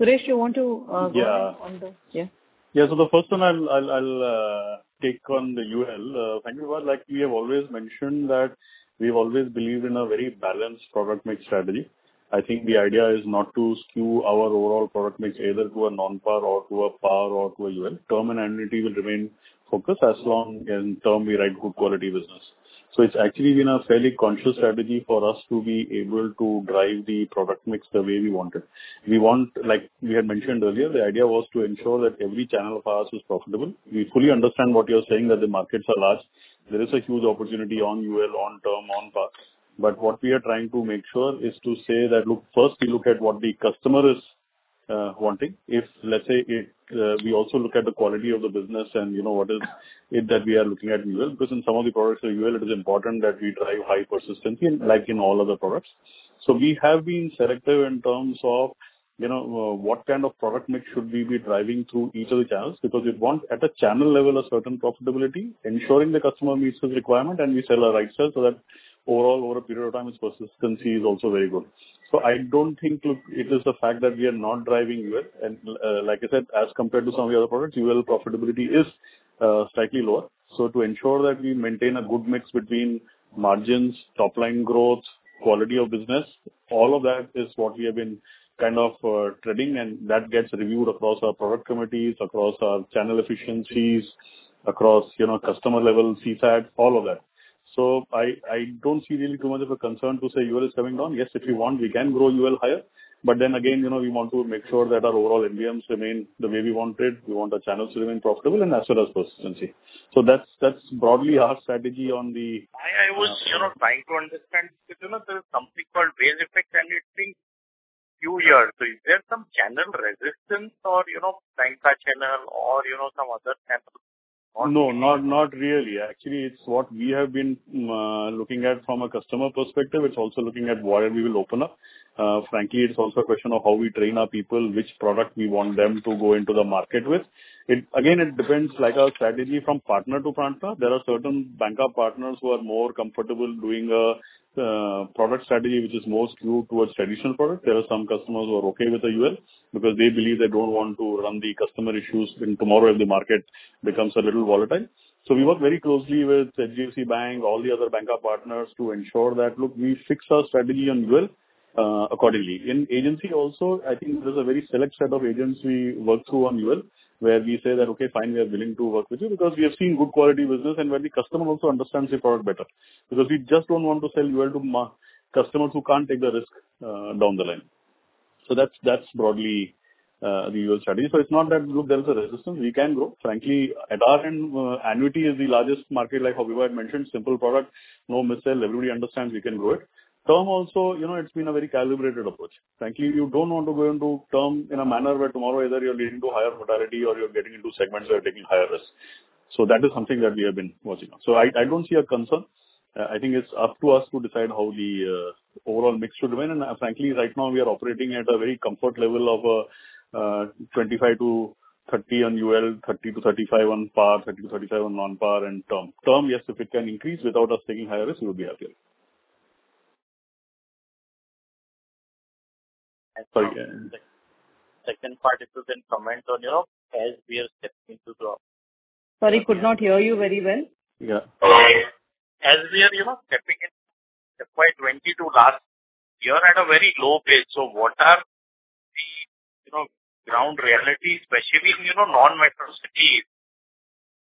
Suresh, you want to go on this? Yeah. Yeah. The first one I'll take on the UL. Frankly, like we have always mentioned that we've always believed in a very balanced product mix strategy. I think the idea is not to skew our overall product mix either to a non-par or to a PAR or to a UL. term and annuity will remain focused as long as in term we write good quality business. It's actually been a fairly conscious strategy for us to be able to drive the product mix the way we want it. Like we had mentioned earlier, the idea was to ensure that every channel of ours was profitable. We fully understand what you're saying, that the markets are large. There is a huge opportunity on UL, on term, on PAR. What we are trying to make sure is to say that first we look at what the customer is wanting. If, let's say, we also look at the quality of the business and what is it that we are looking at in UL, because in some of the products in UL, it is important that we drive high persistency like in all other products. We have been selective in terms of what kind of product mix should we be driving through each of the channels, because we want at a channel level a certain profitability, ensuring the customer meets his requirement and we sell the right sale so that overall, over a period of time, his persistency is also very good. I don't think it is the fact that we are not driving UL, and like I said, as compared to some of the other products, UL profitability is slightly lower. To ensure that we maintain a good mix between margins, top-line growth, quality of business, all of that is what we have been treading and that gets reviewed across our product committees, across our channel efficiencies, across customer level CSAT, all of that. I don't see really too much of a concern to say UL is coming down. Yes, if we want, we can grow UL higher, but then again, we want to make sure that our overall NBMs remain the way we want it. We want our channels to remain profitable and as well as persistency. That's broadly our strategy. I was trying to understand, there is something called base effect and it takes few years. Is there some channel resistance or banca channel or some other channel? No, not really. Actually, it's what we have been looking at from a customer perspective. It's also looking at where we will open up. Frankly, it's also a question of how we train our people, which product we want them to go into the market with. It depends, like our strategy from partner to partner. There are certain banca partners who are more comfortable doing a product strategy which is more skewed towards traditional product. There are some customers who are okay with the UL because they believe they don't want to run the customer issues when tomorrow if the market becomes a little volatile. We work very closely with HDFC Bank, all the other banca partners to ensure that, look, we fix our strategy on UL accordingly. In agency also, I think there's a very select set of agents we work through on UL, where we say that, "Okay, fine, we are willing to work with you because we are seeing good quality business and where the customer also understands the product better." We just don't want to sell UL to customers who can't take the risk down the line. That's broadly the UL strategy. It's not that, look, there is a resistance. We can grow. Frankly, at our end, annuity is the largest market, like Vibha Padalkar had mentioned. Simple product, no missell, everybody understands we can grow it. Term also, it's been a very calibrated approach. Frankly, you don't want to go into term in a manner where tomorrow either you're leading to higher mortality or you're getting into segments where you're taking higher risk. That is something that we have been watching out. I don't see a concern. I think it's up to us to decide how the overall mix should remain. Frankly, right now we are operating at a very comfort level of 25%-30% on UL, 30%-35% on PAR, 30%-35% on non-par and term. Term, yes, if it can increase without us taking higher risk, we'll be happy. Second part, if you can comment on as we are stepping into. Sorry, could not hear you very well. Yeah. As we are stepping in FY 2022 last year at a very low base. What are the ground reality, especially in non-metro cities,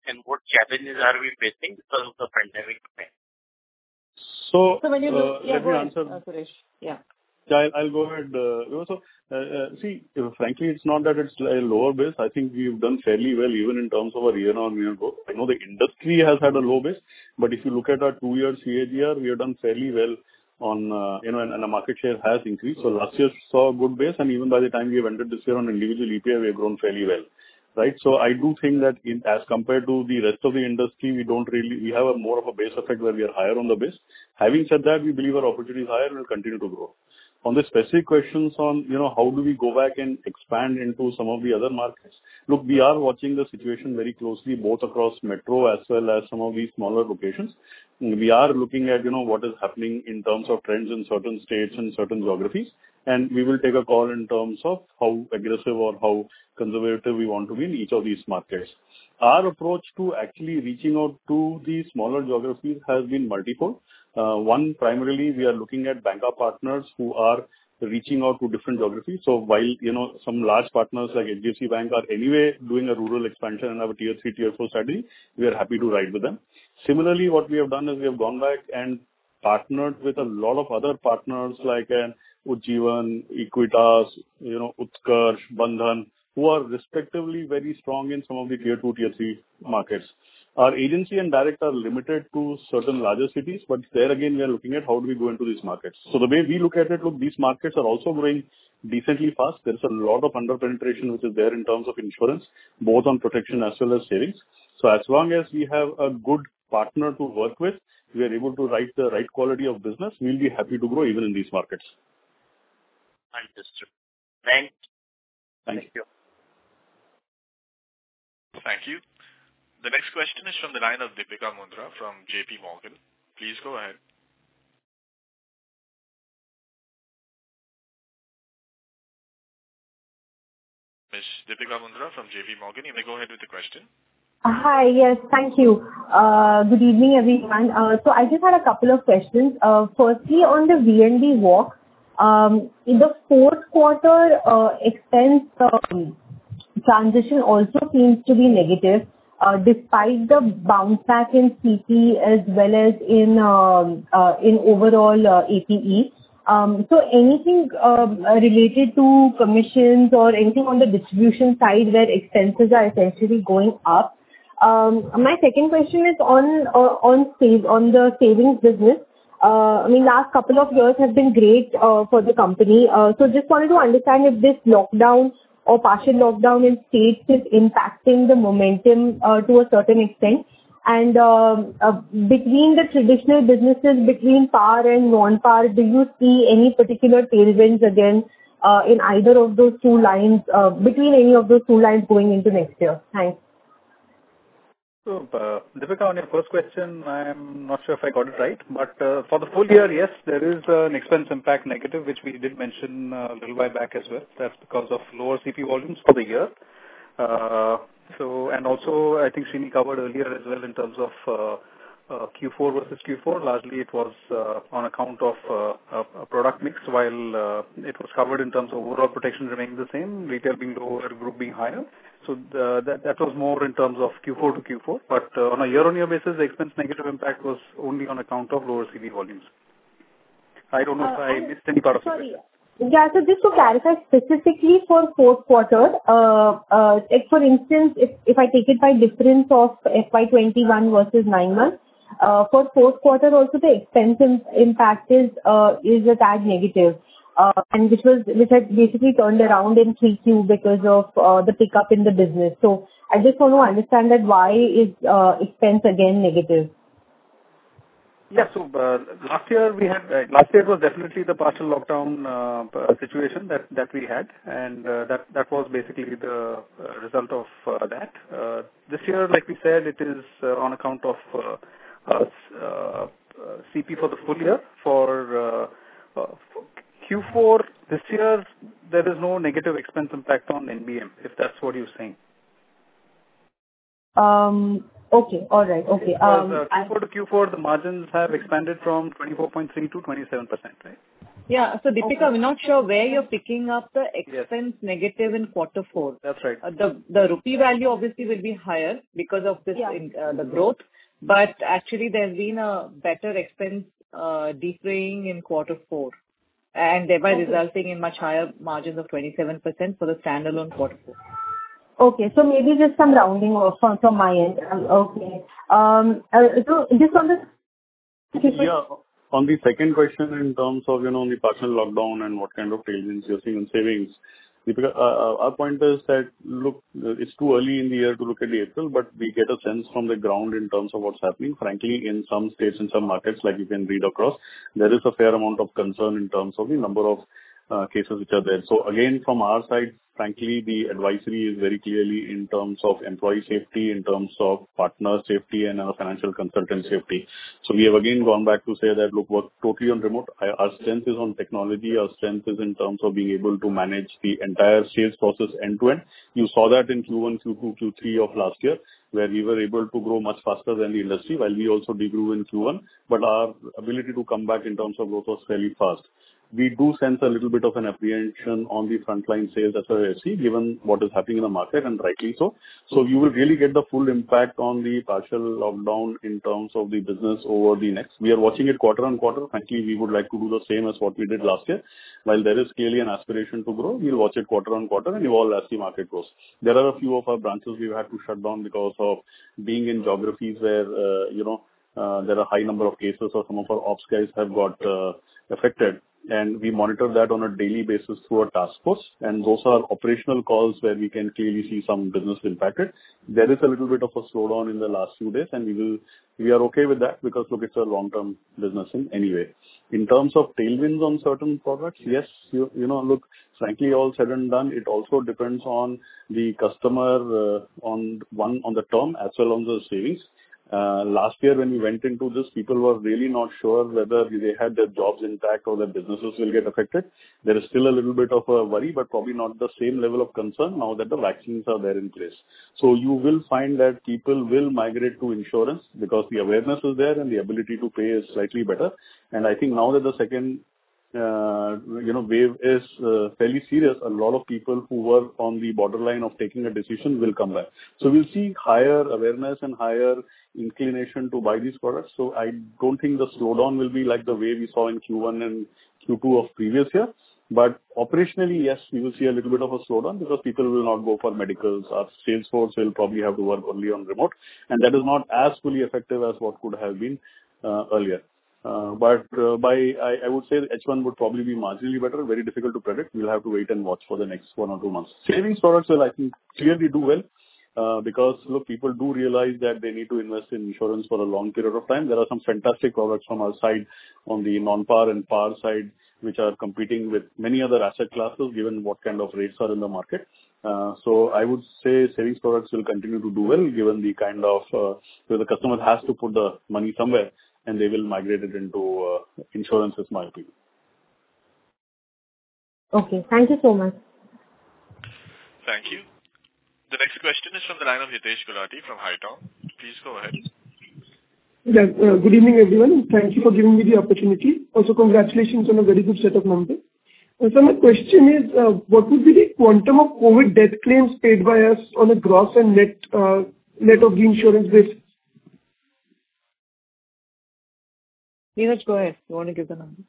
and what challenges are we facing because of the pandemic? So- Yeah, go ahead, Suresh. Yeah. I'll go ahead. See, frankly, it's not that it's a lower base. I think we've done fairly well even in terms of our year on year growth. I know the industry has had a low base. If you look at our two-year CAGR, we have done fairly well and our market share has increased. Last year saw a good base, and even by the time we have ended this year on individual APE, we have grown fairly well, right? I do think that as compared to the rest of the industry, we have more of a base effect where we are higher on the base. Having said that, we believe our opportunity is higher and will continue to grow. On the specific questions on how do we go back and expand into some of the other markets. Look, we are watching the situation very closely, both across metro as well as some of these smaller locations. We are looking at what is happening in terms of trends in certain states and certain geographies. We will take a call in terms of how aggressive or how conservative we want to be in each of these markets. Our approach to actually reaching out to these smaller geographies has been multiple. One, primarily, we are looking at banca partners who are reaching out to different geographies. While some large partners like HDFC Bank are anyway doing a rural expansion and have a tier 3, tier 4 strategy, we are happy to ride with them. Similarly, what we have done is we have gone back and partnered with a lot of other partners like Ujjivan, Equitas, Utkarsh, Bandhan, who are respectively very strong in some of the tier 2, tier 3 markets. Our agency and direct are limited to certain larger cities, but there again, we are looking at how do we go into these markets. The way we look at it, look, these markets are also growing decently fast. There is a lot of under-penetration which is there in terms of insurance, both on protection as well as savings. As long as we have a good partner to work with, we are able to write the right quality of business, we'll be happy to grow even in these markets. Understood. Thanks. Thank you. Thank you. The next question is from the line of Deepika Mundra from JPMorgan. Please go ahead. Ms. Deepika Mundra from JPMorgan, you may go ahead with the question. Hi. Yes. Thank you. Good evening, everyone. I just had a couple of questions. Firstly, on the VNB walk. In the fourth quarter, expense transition also seems to be negative, despite the bounce back in CP as well as in overall APE. Anything related to commissions or anything on the distribution side where expenses are essentially going up? My second question is on the savings business. Last couple of years have been great for the company. Just wanted to understand if this lockdown or partial lockdown in states is impacting the momentum to a certain extent. Between the traditional businesses between par and non-par, do you see any particular tailwinds again in either of those two lines, between any of those two lines going into next year? Thanks. Deepika, on your first question, I am not sure if I got it right. For the full year, yes, there is an expense impact negative, which we did mention a little while back as well. That's because of lower CP volumes for the year. Also, I think Srini covered earlier as well in terms of Q4 versus Q4. Largely, it was on account of a product mix while it was covered in terms of overall protection remaining the same, retail being lower, group being higher. That was more in terms of Q4 to Q4. On a year-on-year basis, the expense negative impact was only on account of lower CP volumes. I don't know if I missed any part of your question? Sorry. Yeah, just to clarify, specifically for fourth quarter, for instance, if I take it by difference of FY 2021 versus nine months. For fourth quarter also the expense impact is a tag negative, and which had basically turned around in 3Q because of the pickup in the business. I just want to understand that why is expense again negative. Yes. Last year was definitely the partial lockdown situation that we had, and that was basically the result of that. This year, like we said, it is on account of CP for the full year. For Q4 this year, there is no negative expense impact on NBM, if that's what you're saying. Okay. All right. Okay. Q4 to Q4, the margins have expanded from 24.3% to 27%, right? Yeah. Deepika, we're not sure where you're picking up the expense negative in quarter four. That's right. The rupee value obviously will be higher because of the growth. Yeah. Actually, there's been a better expense defraying in quarter four, and thereby resulting in much higher margins of 27% for the standalone quarter four. Okay. Maybe just some rounding off from my end. Okay. Yeah. On the second question in terms of the partial lockdown and what kind of savings you're seeing in savings. Deepika, our point is that, look, it's too early in the year to look at the April, but we get a sense from the ground in terms of what's happening. Frankly, in some states and some markets, like you can read across, there is a fair amount of concern in terms of the number of cases which are there. Again, from our side, frankly, the advisory is very clearly in terms of employee safety, in terms of partner safety and our financial consultant safety. We have again gone back to say that, look, work totally on remote. Our strength is on technology, our strength is in terms of being able to manage the entire sales process end to end. You saw that in Q1, Q2, Q3 of last year, where we were able to grow much faster than the industry while we also de-grew in Q1. Our ability to come back in terms of growth was fairly fast. We do sense a little bit of an apprehension on the frontline sales as I see, given what is happening in the market, and rightly so. You will really get the full impact on the partial lockdown in terms of the business over the next. We are watching it quarter on quarter. Frankly, we would like to do the same as what we did last year. While there is clearly an aspiration to grow, we will watch it quarter on quarter and evolve as the market grows. There are a few of our branches we've had to shut down because of being in geographies where there are high number of cases or some of our ops guys have got affected. We monitor that on a daily basis through our task force. Those are operational calls where we can clearly see some business impacted. There is a little bit of a slowdown in the last few days, and we are okay with that because, look, it's a long-term business anyway. In terms of tailwinds on certain products, yes. Look, frankly, all said and done, it also depends on the customer, one, on the term, as well on the savings. Last year when we went into this, people were really not sure whether they had their jobs impact or their businesses will get affected. There is still a little bit of a worry, but probably not the same level of concern now that the vaccines are there in place. You will find that people will migrate to insurance because the awareness is there and the ability to pay is slightly better. I think now that the second wave is fairly serious, a lot of people who were on the borderline of taking a decision will come back. We'll see higher awareness and higher inclination to buy these products. I don't think the slowdown will be like the way we saw in Q1 and Q2 of previous years. Operationally, yes, we will see a little bit of a slowdown because people will not go for medicals. Our sales force will probably have to work only on remote. That is not as fully effective as what could have been earlier. I would say H1 would probably be marginally better. Very difficult to predict. We'll have to wait and watch for the next one or two months. Savings products will, I think, clearly do well because, look, people do realize that they need to invest in insurance for a long period of time. There are some fantastic products from our side on the non-par and par side, which are competing with many other asset classes, given what kind of rates are in the market. I would say savings products will continue to do well given the customer has to put the money somewhere, and they will migrate it into insurance is my opinion. Okay. Thank you so much. Thank you. The next question is from the line of Hitesh Gulati from Haitong. Please go ahead. Good evening, everyone. Thank you for giving me the opportunity. Congratulations on a very good set of numbers. My question is, what would be the quantum of COVID death claims paid by us on a gross and net of reinsurance business? Niraj, go ahead. You want to give the numbers?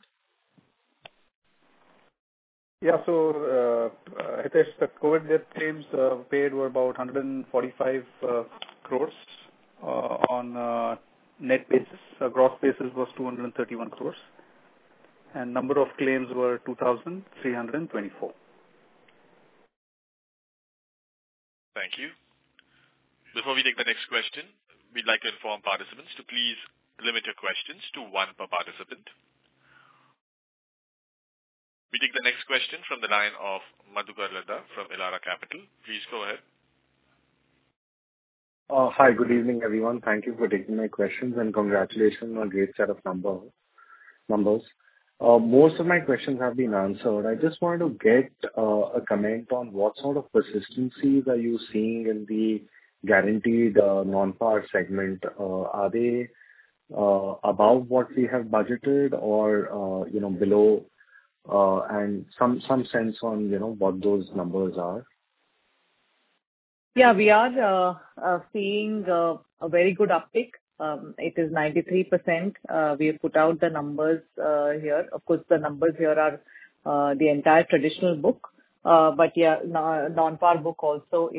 Hitesh, the COVID death claims paid were about 145 crore on a net basis. Gross basis was 231 crore, and number of claims were 2,324. Thank you. Before we take the next question, we'd like to inform participants to please limit your questions to one per participant. We take the next question from the line of Madhukar Ladha from Elara Capital. Please go ahead. Hi. Good evening, everyone. Thank you for taking my questions and congratulations on great set of numbers. Most of my questions have been answered. I just wanted to get a comment on what sort of persistencies are you seeing in the guaranteed non-par segment. Are they above what we have budgeted or below? Some sense on what those numbers are. Yeah, we are seeing a very good uptick. It is 93%. We have put out the numbers here. Of course, the numbers here are the entire traditional book. Yeah, non-par book also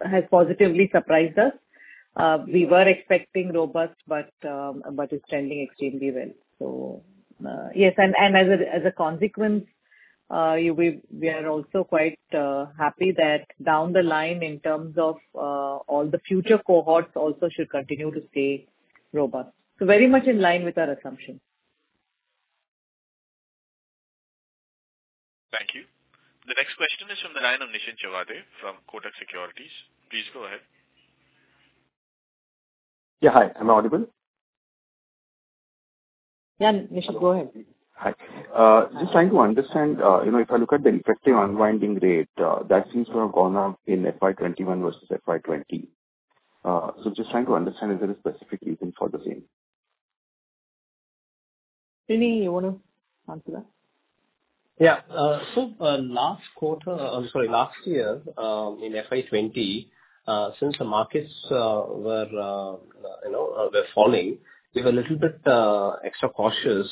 has positively surprised us. We were expecting robust, but it's trending extremely well. As a consequence, we are also quite happy that down the line in terms of all the future cohorts also should continue to stay robust. Very much in line with our assumption. Thank you. The next question is from the line of Nischint Chawathe from Kotak Securities. Please go ahead. Yeah. Hi, am I audible? Yeah, Nischint, go ahead. Hi. Just trying to understand, if I look at the effective unwinding rate, that seems to have gone up in FY 2021 versus FY 2020. Just trying to understand, is there a specific reason for the same? Niraj, you want to answer that? Yeah. Last year, in FY 2020, since the markets were falling, we were a little bit extra cautious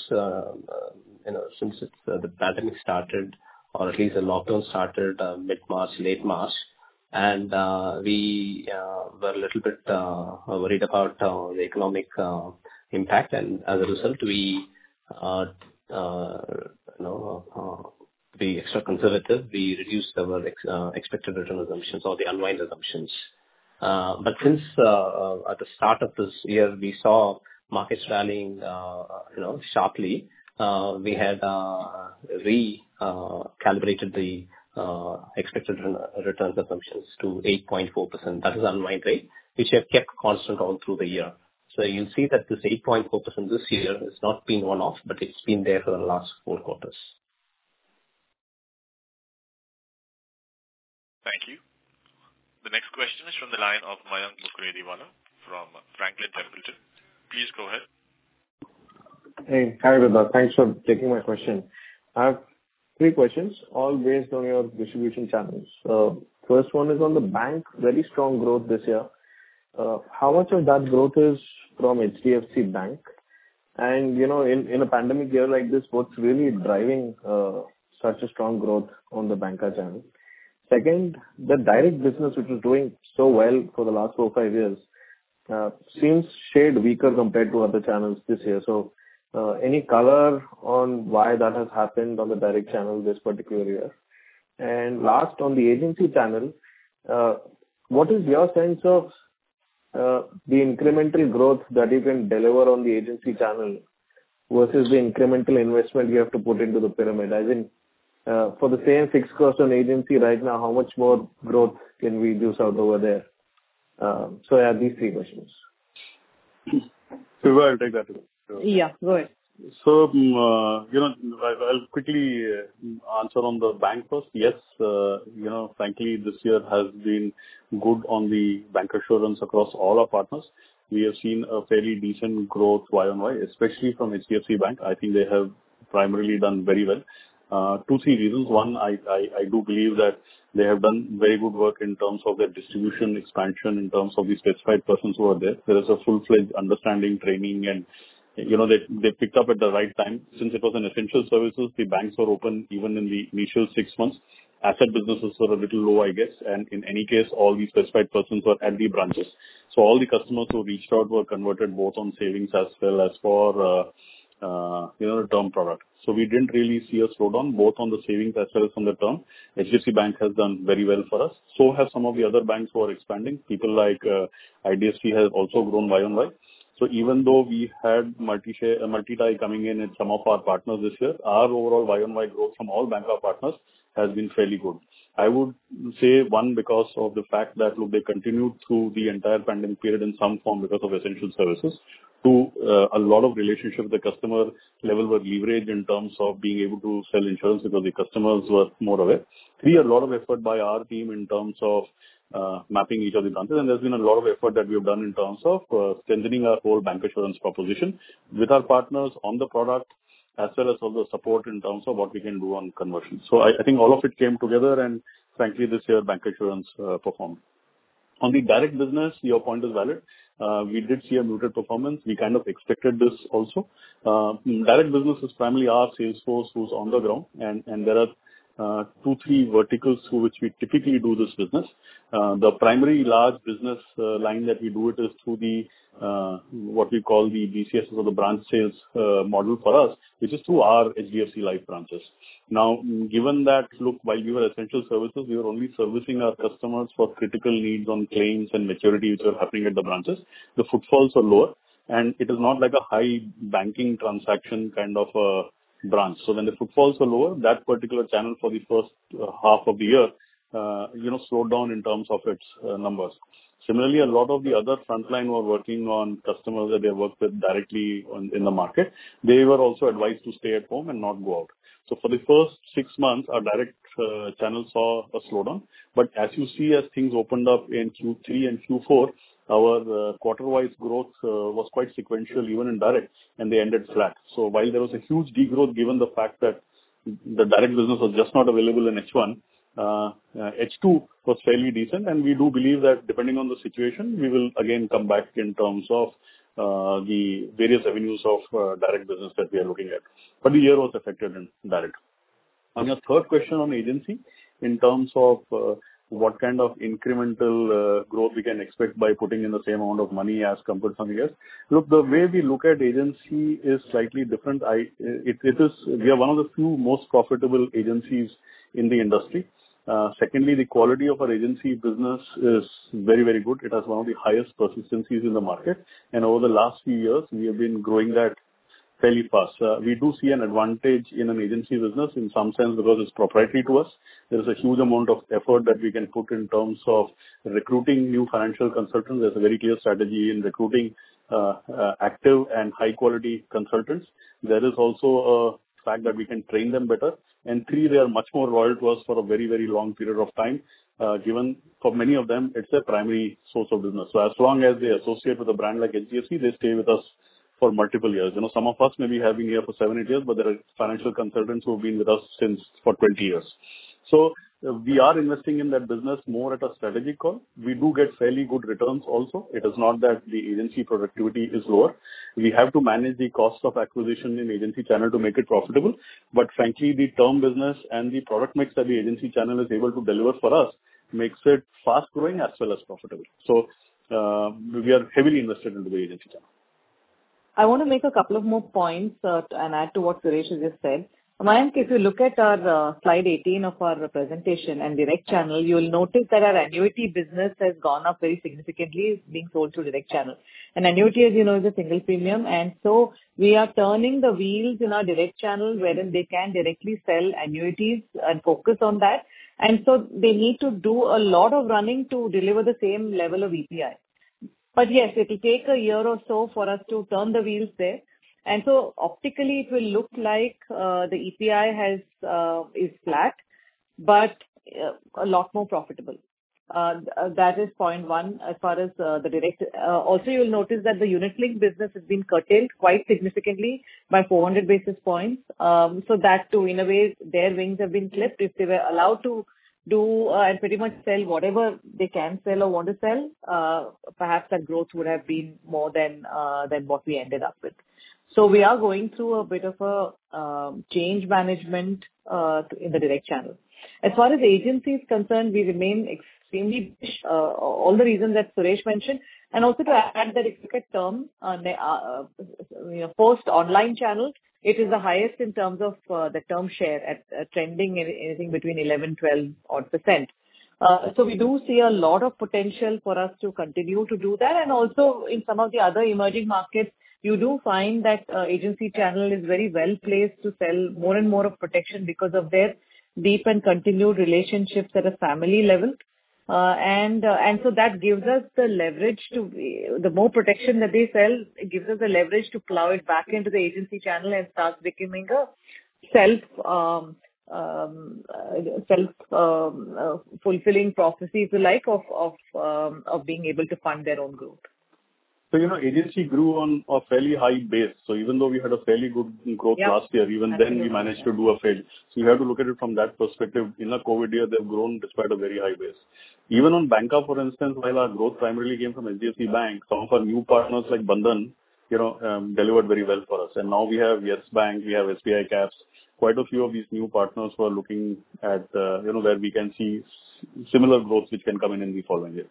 since the pandemic started, or at least the lockdown started mid-March, late March, and we were a little bit worried about the economic impact. As a result, to be extra conservative, we reduced our expected return assumptions or the unwind assumptions. Since at the start of this year we saw markets rallying sharply, we had recalibrated the expected return assumptions to 8.4%. That is unwind rate, which we have kept constant all through the year. You see that this 8.4% this year has not been one-off, but it's been there for the last four quarters. Thank you. The next question is from the line of Mayank Mukerji from Franklin Templeton. Please go ahead. Hey. Hi, Ruchita. Thanks for taking my question. I have three questions, all based on your distribution channels. First one is on the bank, very strong growth this year. How much of that growth is from HDFC Bank? In a pandemic year like this, what's really driving such a strong growth on the bancar channel? Second, the direct business, which was doing so well for the last four or five years, seems shade weaker compared to other channels this year. Any color on why that has happened on the direct channel this particular year? Last, on the agency channel, what is your sense of the incremental growth that you can deliver on the agency channel versus the incremental investment you have to put into the pyramid? I think for the same fixed cost on agency right now, how much more growth can we do over there? I have these three questions. Yeah, go ahead. I'll quickly answer on the bank first. Yes, frankly, this year has been good on the Bancassurance across all our partners. We have seen a fairly decent growth year-on-year, especially from HDFC Bank. I think they have primarily done very well. Two, three reasons. One, I do believe that they have done very good work in terms of their distribution expansion, in terms of the specified persons who are there. There is a full-fledged understanding, training, and they picked up at the right time. Since it was an essential services, the banks were open even in the initial six months. Asset businesses were a little low, I guess. In any case, all the specified persons were at the branches. All the customers who reached out were converted both on savings as well as for term product. We didn't really see a slowdown both on the savings as well as on the term. HDFC Bank has done very well for us. Have some of the other banks who are expanding. People like IDFC has also grown Y on Y. Even though we had multi-tie coming in in some of our partners this year, our overall Y on Y growth from all bank partners has been fairly good. I would say, one, because of the fact that they continued through the entire pandemic period in some form because of essential services. Two, a lot of relationship with the customer level were leveraged in terms of being able to sell insurance because the customers were more aware. Three, a lot of effort by our team in terms of mapping each of the branches. There's been a lot of effort that we've done in terms of strengthening our whole Bancassurance proposition with our partners on the product as well as also support in terms of what we can do on conversion. I think all of it came together. Frankly, this year Bancassurance performed. On the direct business, your point is valid. We did see a muted performance. We kind of expected this also. Direct business is primarily our sales force who's on the ground. There are two, three verticals through which we typically do this business. The primary large business line that we do it is through what we call the BCSs or the branch sales model for us, which is through our HDFC Life branches. Given that while we were essential services, we were only servicing our customers for critical needs on claims and maturities which are happening at the branches. The footfalls are lower, and it is not like a high banking transaction kind of a branch. When the footfalls are lower, that particular channel for the first half of the year slowed down in terms of its numbers. Similarly, a lot of the other frontline were working on customers that they worked with directly in the market. They were also advised to stay at home and not go out. For the first six months, our direct channel saw a slowdown. As you see, as things opened up in Q3 and Q4, our quarter-wise growth was quite sequential, even in direct, and they ended flat. While there was a huge degrowth given the fact that the direct business was just not available in H1, H2 was fairly decent, and we do believe that depending on the situation, we will again come back in terms of the various avenues of direct business that we are looking at. The year was affected in direct. On your third question on agency, in terms of what kind of incremental growth we can expect by putting in the same amount of money as compared from years. Look, the way we look at agency is slightly different. We are one of the few most profitable agencies in the industry. Secondly, the quality of our agency business is very good. It has one of the highest persistencies in the market, and over the last few years we have been growing that fairly fast. We do see an advantage in an agency business in some sense because it's proprietary to us. There is a huge amount of effort that we can put in terms of recruiting new financial consultants. There's a very clear strategy in recruiting active and high-quality consultants. There is also a fact that we can train them better. Three, they are much more loyal to us for a very long period of time. Given for many of them, it's their primary source of business. As long as they associate with a brand like HDFC, they stay with us for multiple years. Some of us maybe have been here for seven, eight years, but there are financial consultants who have been with us since for 20 years. We are investing in that business more at a strategic call. We do get fairly good returns also. It is not that the agency productivity is lower. We have to manage the cost of acquisition in agency channel to make it profitable. Frankly, the term business and the product mix that the agency channel is able to deliver for us makes it fast-growing as well as profitable. We are heavily invested into the agency channel. I want to make a couple of more points and add to what Suresh has just said. Mayank, if you look at our slide 18 of our presentation and direct channel, you will notice that our annuity business has gone up very significantly being sold through direct channel. Annuity, as you know, is a single premium. We are turning the wheels in our direct channel wherein they can directly sell annuities and focus on that. They need to do a lot of running to deliver the same level of EPI. Yes, it will take a year or so for us to turn the wheels there. Optically it will look like the EPI is flat but a lot more profitable. That is point one as far as the direct. You'll notice that the unit link business has been curtailed quite significantly by 400 basis points. That too, in a way, their wings have been clipped. If they were allowed to do and pretty much sell whatever they can sell or want to sell perhaps that growth would have been more than what we ended up with. We are going through a bit of a change management in the direct channel. As far as agency is concerned, we remain extremely all the reasons that Suresh mentioned and also to add that if you look at term, post online channel, it is the highest in terms of the term share at trending anything between 11%, 12% odd. We do see a lot of potential for us to continue to do that. Also in some of the other emerging markets, you do find that agency channel is very well-placed to sell more and more of protection because of their deep and continued relationships at a family level. That gives us the leverage to, the more protection that they sell, it gives us the leverage to plow it back into the agency channel and starts becoming a self-fulfilling prophecy, if you like, of being able to fund their own growth. You know, agency grew on a fairly high base. Even though we had a fairly good growth last year, even then we managed to do a. You have to look at it from that perspective. In a COVID year, they've grown despite a very high base. Even on banca, for instance, while our growth primarily came from HDFC Bank, some of our new partners like Bandhan delivered very well for us. Now we have Yes Bank, we have SBI Cards, quite a few of these new partners who are looking at where we can see similar growth, which can come in in the following year.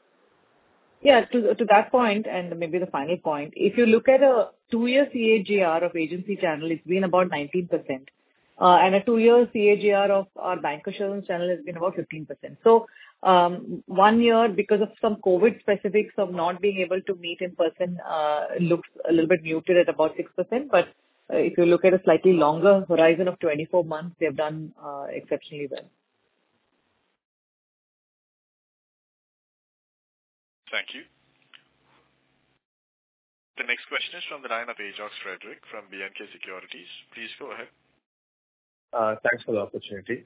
To that point and maybe the final point, if you look at a two-year CAGR of agency channel, it's been about 19%. A two-year CAGR of our bancassurance channel has been about 15%. One year, because of some COVID specifics of not being able to meet in person looks a little bit muted at about 6%. If you look at a slightly longer horizon of 24 months, they've done exceptionally well. Thank you. The next question is from the line of Ashok Frederick from B&K Securities. Please go ahead. Thanks for the opportunity. Sir,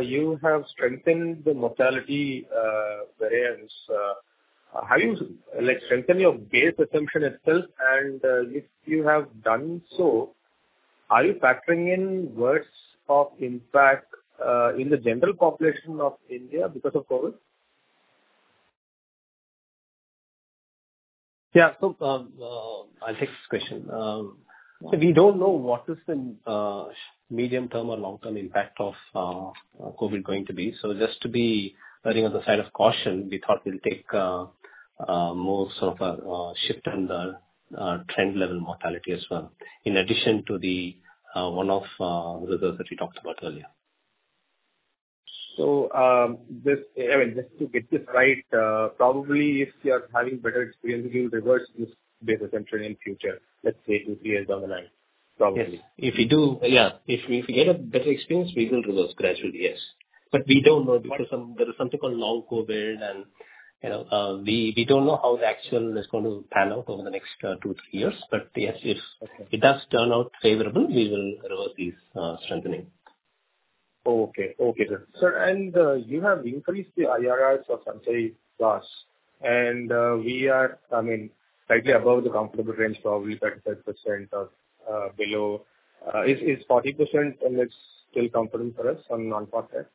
you have strengthened the mortality variance. Have you strengthened your base assumption itself and if you have done so, are you factoring in worse of impact in the general population of India because of COVID? Yeah. I'll take this question. We don't know what is the medium-term or long-term impact of COVID going to be. Just to be erring on the side of caution, we thought we'll take more of a shift in the trend level mortality as well, in addition to the one-off results that we talked about earlier. Just to get this right, probably if you are having better experience, you will reverse this base assumption in future, let's say two, three years down the line probably. Yes. If we get a better experience, we will reverse gradually. Yes. We don't know because there is something called long COVID and we don't know how the actual is going to pan out over the next two, three years. Yes, if it does turn out favorable, we will reverse these strengthening. Okay. Sir, you have increased the IRRs of Sanchay Plus and we are slightly above the comfortable range, probably 35% or below. Is 40% still comfortable for us on non-PAR plans?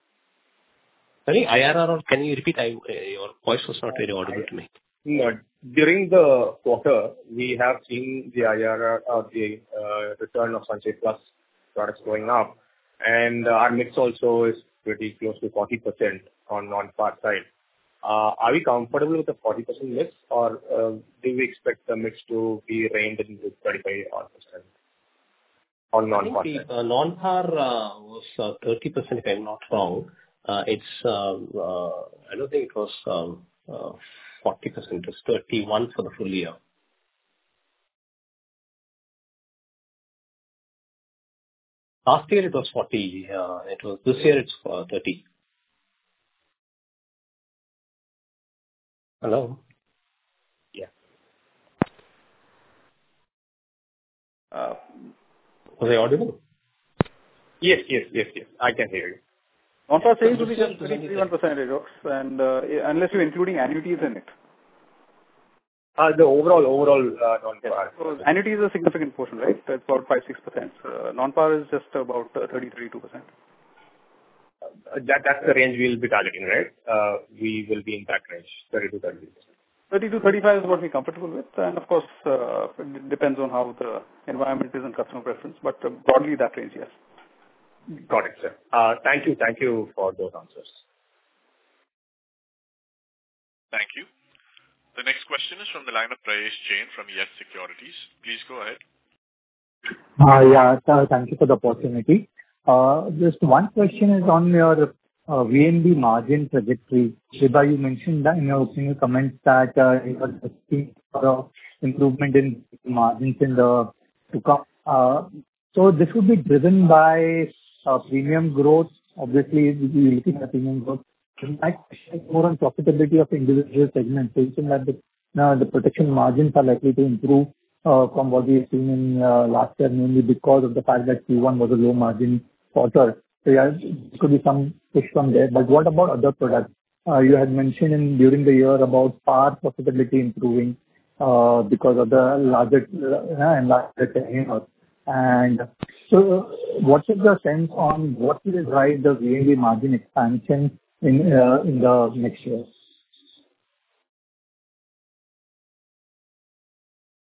Sorry, IRR, can you repeat? Your voice was not very audible to me. During the quarter, we have seen the IRR of the return of Sanchay Plus products going up, and our mix also is pretty close to 40% on non-par side. Are we comfortable with the 40% mix or do we expect the mix to be reined in to 35% or 30% on non-par? I think the non-par was 30%, if I'm not wrong. I don't think it was 40%. It's 31% for the full year. Last year it was 40%. This year it's 30%. Hello? Yeah. Was I audible? Yes. I can hear you. Non-par sales will be just 31%, Rajeev, unless you're including annuities in it. The overall non-par. Annuity is a significant portion, right? That's about 5%, 6%. Non-par is just about 33%, 2%. That's the range we'll be targeting, right? We will be in that range, 32%-35%. 32, 35 is what we're comfortable with, and of course, it depends on how the environment is and customer preference, but broadly that range, yes. Got it, sir. Thank you for those answers. Thank you. The next question is from the line of Prayesh Jain from YES SECURITIES. Please go ahead. Yeah. Thank you for the opportunity. Just one question is on your VNB margin trajectory. Vibha, you mentioned that in your opening comments that you are expecting further improvement in margins to come. This would be driven by premium growth. Obviously, we'll be looking at premium growth. My question is more on profitability of individual segment. It seems like the protection margins are likely to improve from what we've seen in last year, mainly because of the fact that Q1 was a low margin quarter. Yeah, there could be some push from there, but what about other products? You had mentioned during the year about par profitability improving because of the larger in-house. What is your sense on what will drive the VNB margin expansion in the next years?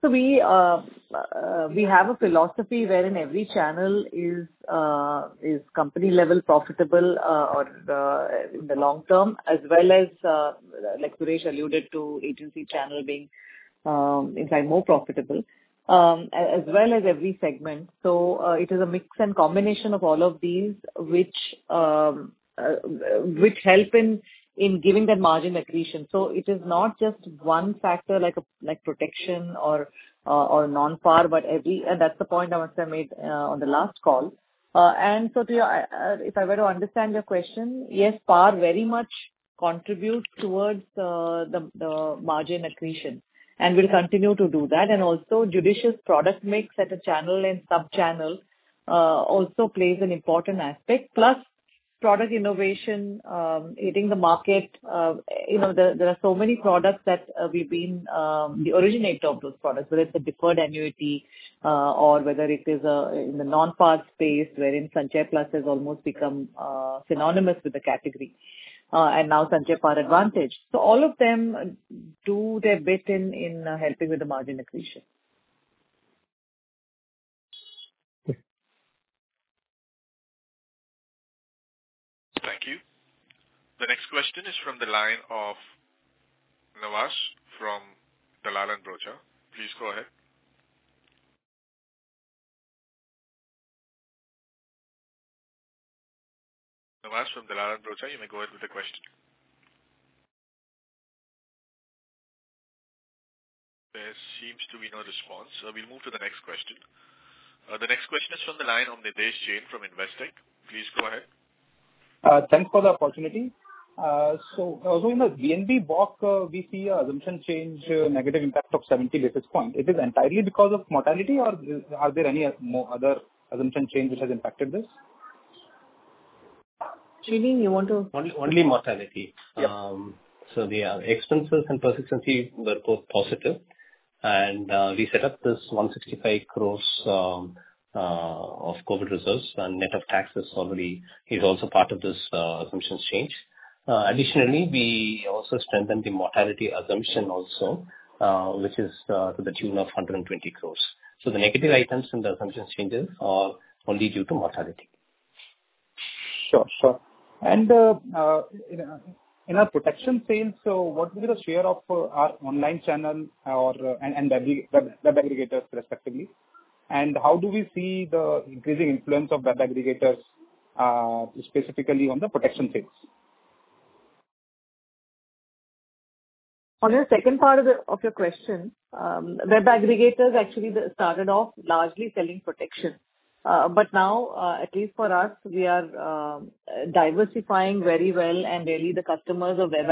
We have a philosophy wherein every channel is company-level profitable in the long term, as well as, like Suresh alluded to agency channel being in fact more profitable, as well as every segment. It is a mix and combination of all of these, which help in giving that margin accretion. It is not just one factor like protection or non-par, but every. That's the point I wanted to make on the last call. If I were to understand your question, yes, par very much contributes towards the margin accretion and will continue to do that. Also judicious product mix at a channel and sub-channel also plays an important aspect. Product innovation hitting the market. There are so many products that we've been the originator of those products, whether it's a deferred annuity or whether it is in the non-par space wherein Sanchay Plus has almost become synonymous with the category. Now Sanchay Par Advantage. All of them do their bit in helping with the margin accretion. Thank you. The next question is from the line of Nawaz from Dalal & Broacha. Please go ahead. Nawaz from Dalal & Broacha, you may go ahead with the question. There seems to be no response, so we'll move to the next question. The next question is from the line of Nidhesh Jain from Investec. Please go ahead. Thanks for the opportunity. In the VNB boc, we see assumption change negative impact of 70 basis points. It is entirely because of mortality or are there any more other assumption change which has impacted this? Nidhesh, you want to? Only mortality. Yes. The expenses and persistency were both positive. We set up this 165 crores of COVID reserves and net of taxes already is also part of this assumptions change. Additionally, we also strengthened the mortality assumption also, which is to the tune of 120 crores. The negative items in the assumptions changes are only due to mortality. Sure. In our protection sales, what will be the share of our online channel and web aggregators respectively? How do we see the increasing influence of web aggregators specifically on the protection sales? On the second part of your question, web aggregators actually started off largely selling protection. Now, at least for us, we are diversifying very well and really the customers of web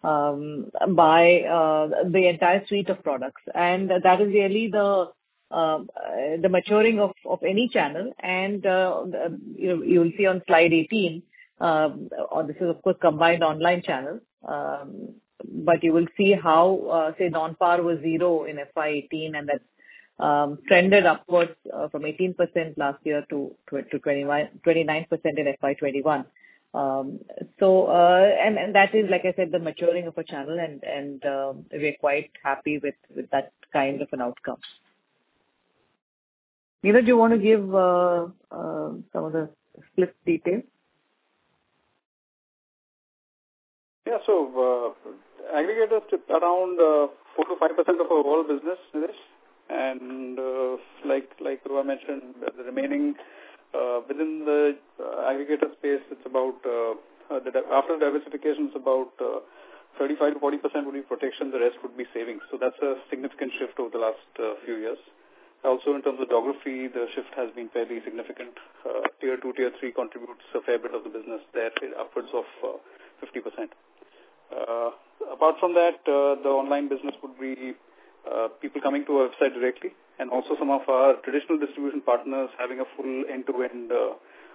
aggregators pretty much buy the entire suite of products. That is really the maturing of any channel. You will see on slide 18, this is of course combined online channel, but you will see how, say, non-par was zero in FY 2018 and then trended upwards from 18% last year to 29% in FY 2021. That is, like I said, the maturing of a channel and we're quite happy with that kind of an outcome. Niraj, do you want to give some of the split details? Yeah. Aggregators took around 4%-5% of our whole business. Like Roopa mentioned, the remaining within the aggregator space, after diversifications, about 35%-40% would be protection, the rest would be savings. That's a significant shift over the last few years. Also in terms of demography, the shift has been fairly significant. Tier 2, tier 3 contributes a fair bit of the business there, upwards of 50%. Apart from that, the online business would be people coming to our site directly, and also some of our traditional distribution partners having a full end-to-end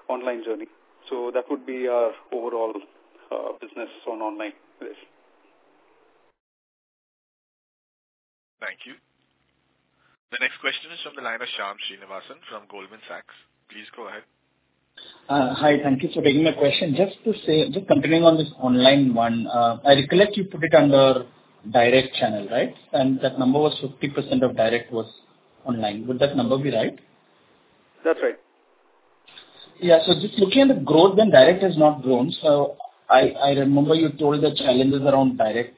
online journey. That would be our overall business on online space. Thank you. The next question is from the line of Shyam Srinivasan from Goldman Sachs. Please go ahead. Hi. Thank you for taking my question. Just continuing on this online one, I recollect you put it under direct channel, right? That number was 50% of direct was online. Would that number be right? That's right. Yeah. Just looking at the growth then, direct has not grown. I remember you told the challenges around direct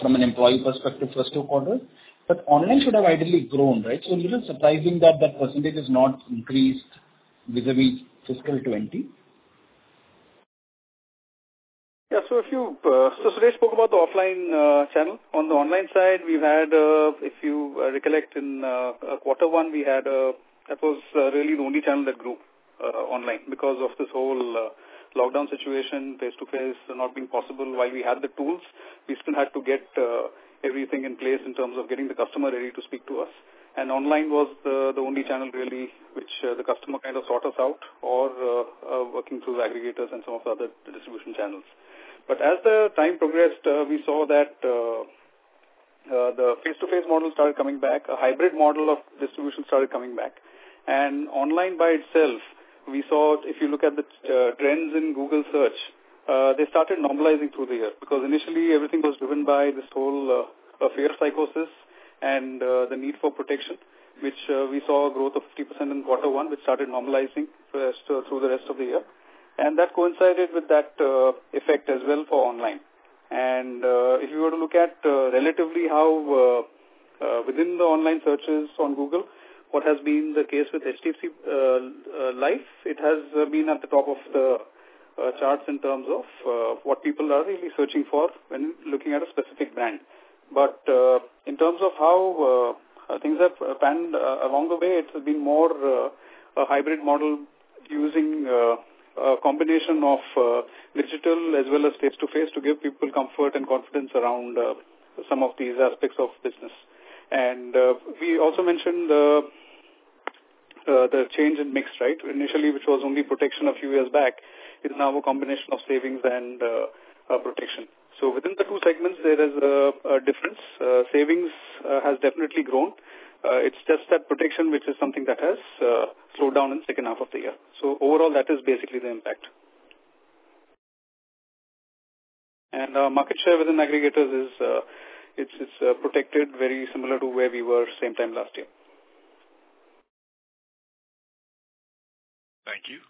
from an employee perspective first two quarters, but online should have ideally grown, right? A little surprising that that percentage has not increased vis-a-vis fiscal 2020. Yeah. Suresh spoke about the offline channel. On the online side, if you recollect in quarter one, that was really the only channel that grew online because of this whole lockdown situation, face-to-face not being possible. While we had the tools, we still had to get everything in place in terms of getting the customer ready to speak to us, and online was the only channel, really, which the customer kind of sought us out or working through the aggregators and some of the other distribution channels. As the time progressed, we saw that the face-to-face model started coming back. A hybrid model of distribution started coming back. Online by itself, if you look at the trends in Google Search, they started normalizing through the year because initially everything was driven by this whole fear psychosis and the need for protection, which we saw growth of 50% in quarter one, which started normalizing through the rest of the year. That coincided with that effect as well for online. If you were to look at relatively how within the online searches on Google, what has been the case with HDFC Life, it has been at the top of the charts in terms of what people are really searching for when looking at a specific brand. In terms of how things have panned along the way, it's been more a hybrid model using a combination of digital as well as face-to-face to give people comfort and confidence around some of these aspects of business. We also mentioned the change in mix, right? Initially, which was only protection a few years back, is now a combination of savings and protection. Within the two segments, there is a difference. Savings has definitely grown. It's just that protection, which is something that has slowed down in the second half of the year. Overall, that is basically the impact. Market share within aggregators, it's protected very similar to where we were same time last year. Thank you.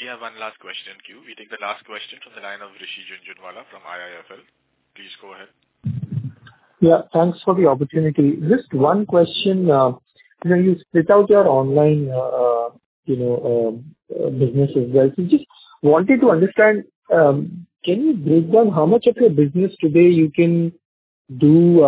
We have one last question in queue. We take the last question from the line of Rishi Jhunjhunwala from IIFL. Please go ahead. Yeah, thanks for the opportunity. Just one question. You split out your online businesses. Just wanted to understand, can you break down how much of your business today you can do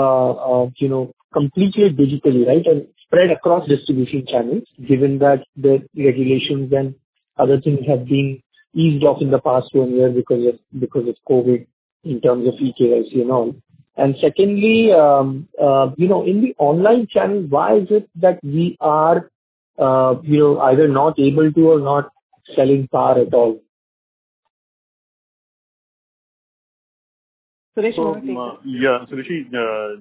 completely digitally and spread across distribution channels, given that the regulations and other things have been eased off in the past one year because of COVID in terms of eKYC? Secondly, in the online channel, why is it that we are either not able to or not selling PAR at all? Suresh, you want to take this? Yeah. Rishi,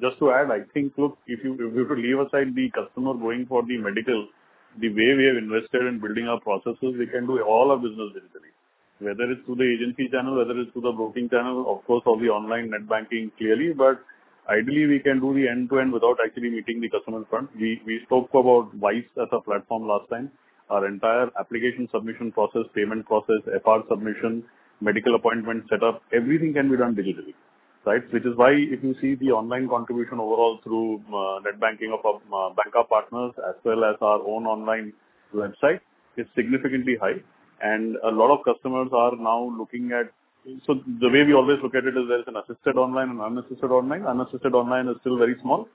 just to add, I think, look, if you were to leave aside the customer going for the medicals, the way we have invested in building our processes, we can do all our business digitally. Whether it's through the agency channel, whether it's through the broking channel, of course, all the online net banking, clearly. Ideally, we can do the end-to-end without actually meeting the customer in front. We spoke about Wise as a platform last time. Our entire application submission process, payment process, FMR submission, medical appointment set up, everything can be done digitally. Which is why if you see the online contribution overall through net banking of our bank partners as well as our own online website, it's significantly high and a lot of customers are now looking at. The way we always look at it is there's an assisted online and unassisted online. Unassisted online is still very small.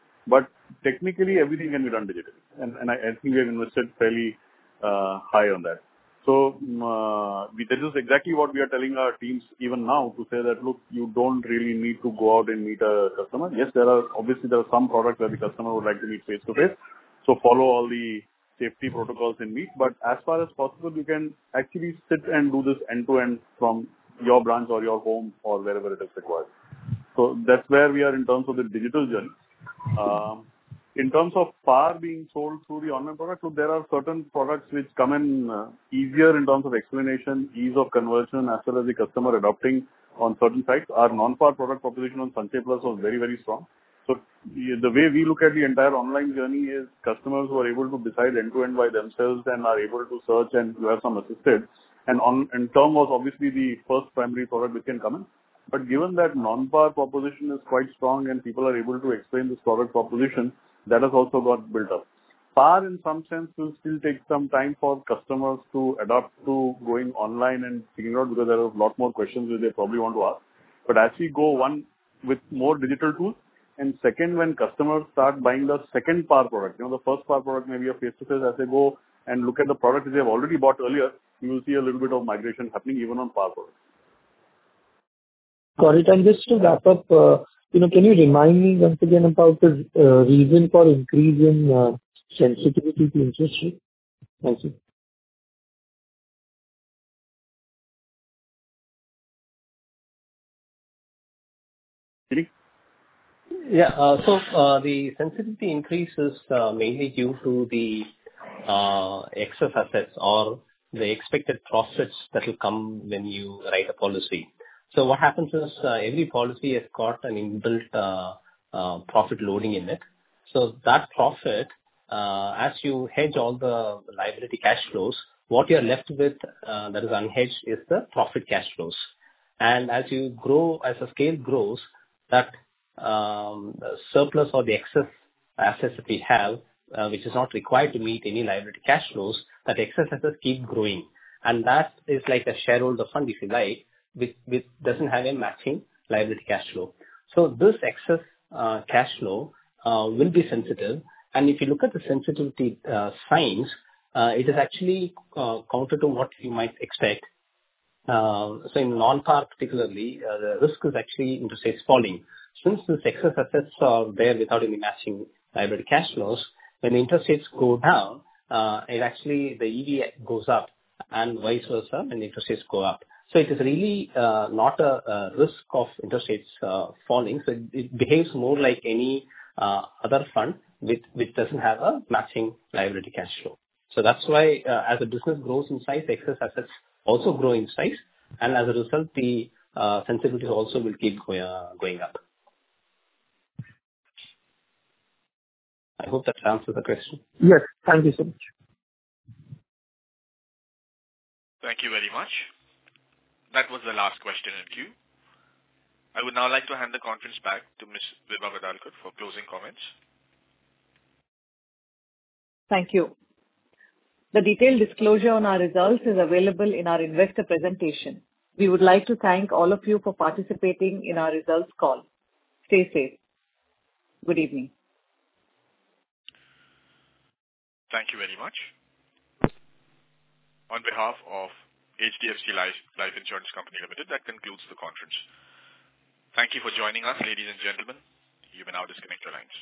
Technically everything can be done digitally and I think we have invested fairly high on that. That is exactly what we are telling our teams even now to say that, "Look, you don't really need to go out and meet a customer." Yes, obviously there are some products where the customer would like to meet face-to-face. Follow all the safety protocols in week. As far as possible, you can actually sit and do this end-to-end from your branch or your home or wherever it is required. That's where we are in terms of the digital journey. In terms of PAR being sold through the online product, there are certain products which come in easier in terms of explanation, ease of conversion, as well as the customer adopting on certain sites. Our non-par product proposition on Sanchay Plus was very strong. The way we look at the entire online journey is customers who are able to decide end-to-end by themselves and are able to search and who have some assistance. Term was obviously the first primary product which can come in. Given that non-par proposition is quite strong and people are able to explain this product proposition, that has also got built up. Par, in some sense, will still take some time for customers to adopt to going online and figuring out because there are a lot more questions which they probably want to ask. As we go, one, with more digital tools, and second, when customers start buying the second par product. The first PAR product may be a face-to-face as they go and look at the product which they've already bought earlier, you will see a little bit of migration happening even on PAR products. Got it, just to wrap up, can you remind me once again about the reason for increase in sensitivity to interest rate? Thank you. Srini. The sensitivity increase is mainly due to the excess assets or the expected profits that will come when you write a policy. What happens is every policy has got an in-built profit loading in it. That profit, as you hedge all the liability cash flows, what you're left with that is unhedged is the profit cash flows. As the scale grows, that surplus or the excess assets which we have, which is not required to meet any liability cash flows, that excess assets keep growing. That is like a shareholder fund, if you like, which doesn't have a matching liability cash flow. This excess cash flow will be sensitive, and if you look at the sensitivity signs, it is actually counter to what you might expect. Say in non-par, particularly, the risk is actually interest rates falling. These excess assets are there without any matching liability cash flows, when interest rates go down, actually the EV goes up and vice versa when interest rates go up. It is really not a risk of interest rates falling, so it behaves more like any other fund which doesn't have a matching liability cash flow. That's why as the business grows in size, the excess assets also grow in size, and as a result, the sensitivity also will keep going up. I hope that answers the question. Yes. Thank you so much. Thank you very much. That was the last question in queue. I would now like to hand the conference back to Ms. Vibha Padalkar for closing comments. Thank you. The detailed disclosure on our results is available in our investor presentation. We would like to thank all of you for participating in our results call. Stay safe. Good evening. Thank you very much. On behalf of HDFC Life Insurance Company Limited, that concludes the conference. Thank you for joining us, ladies and gentlemen. You may now disconnect your lines.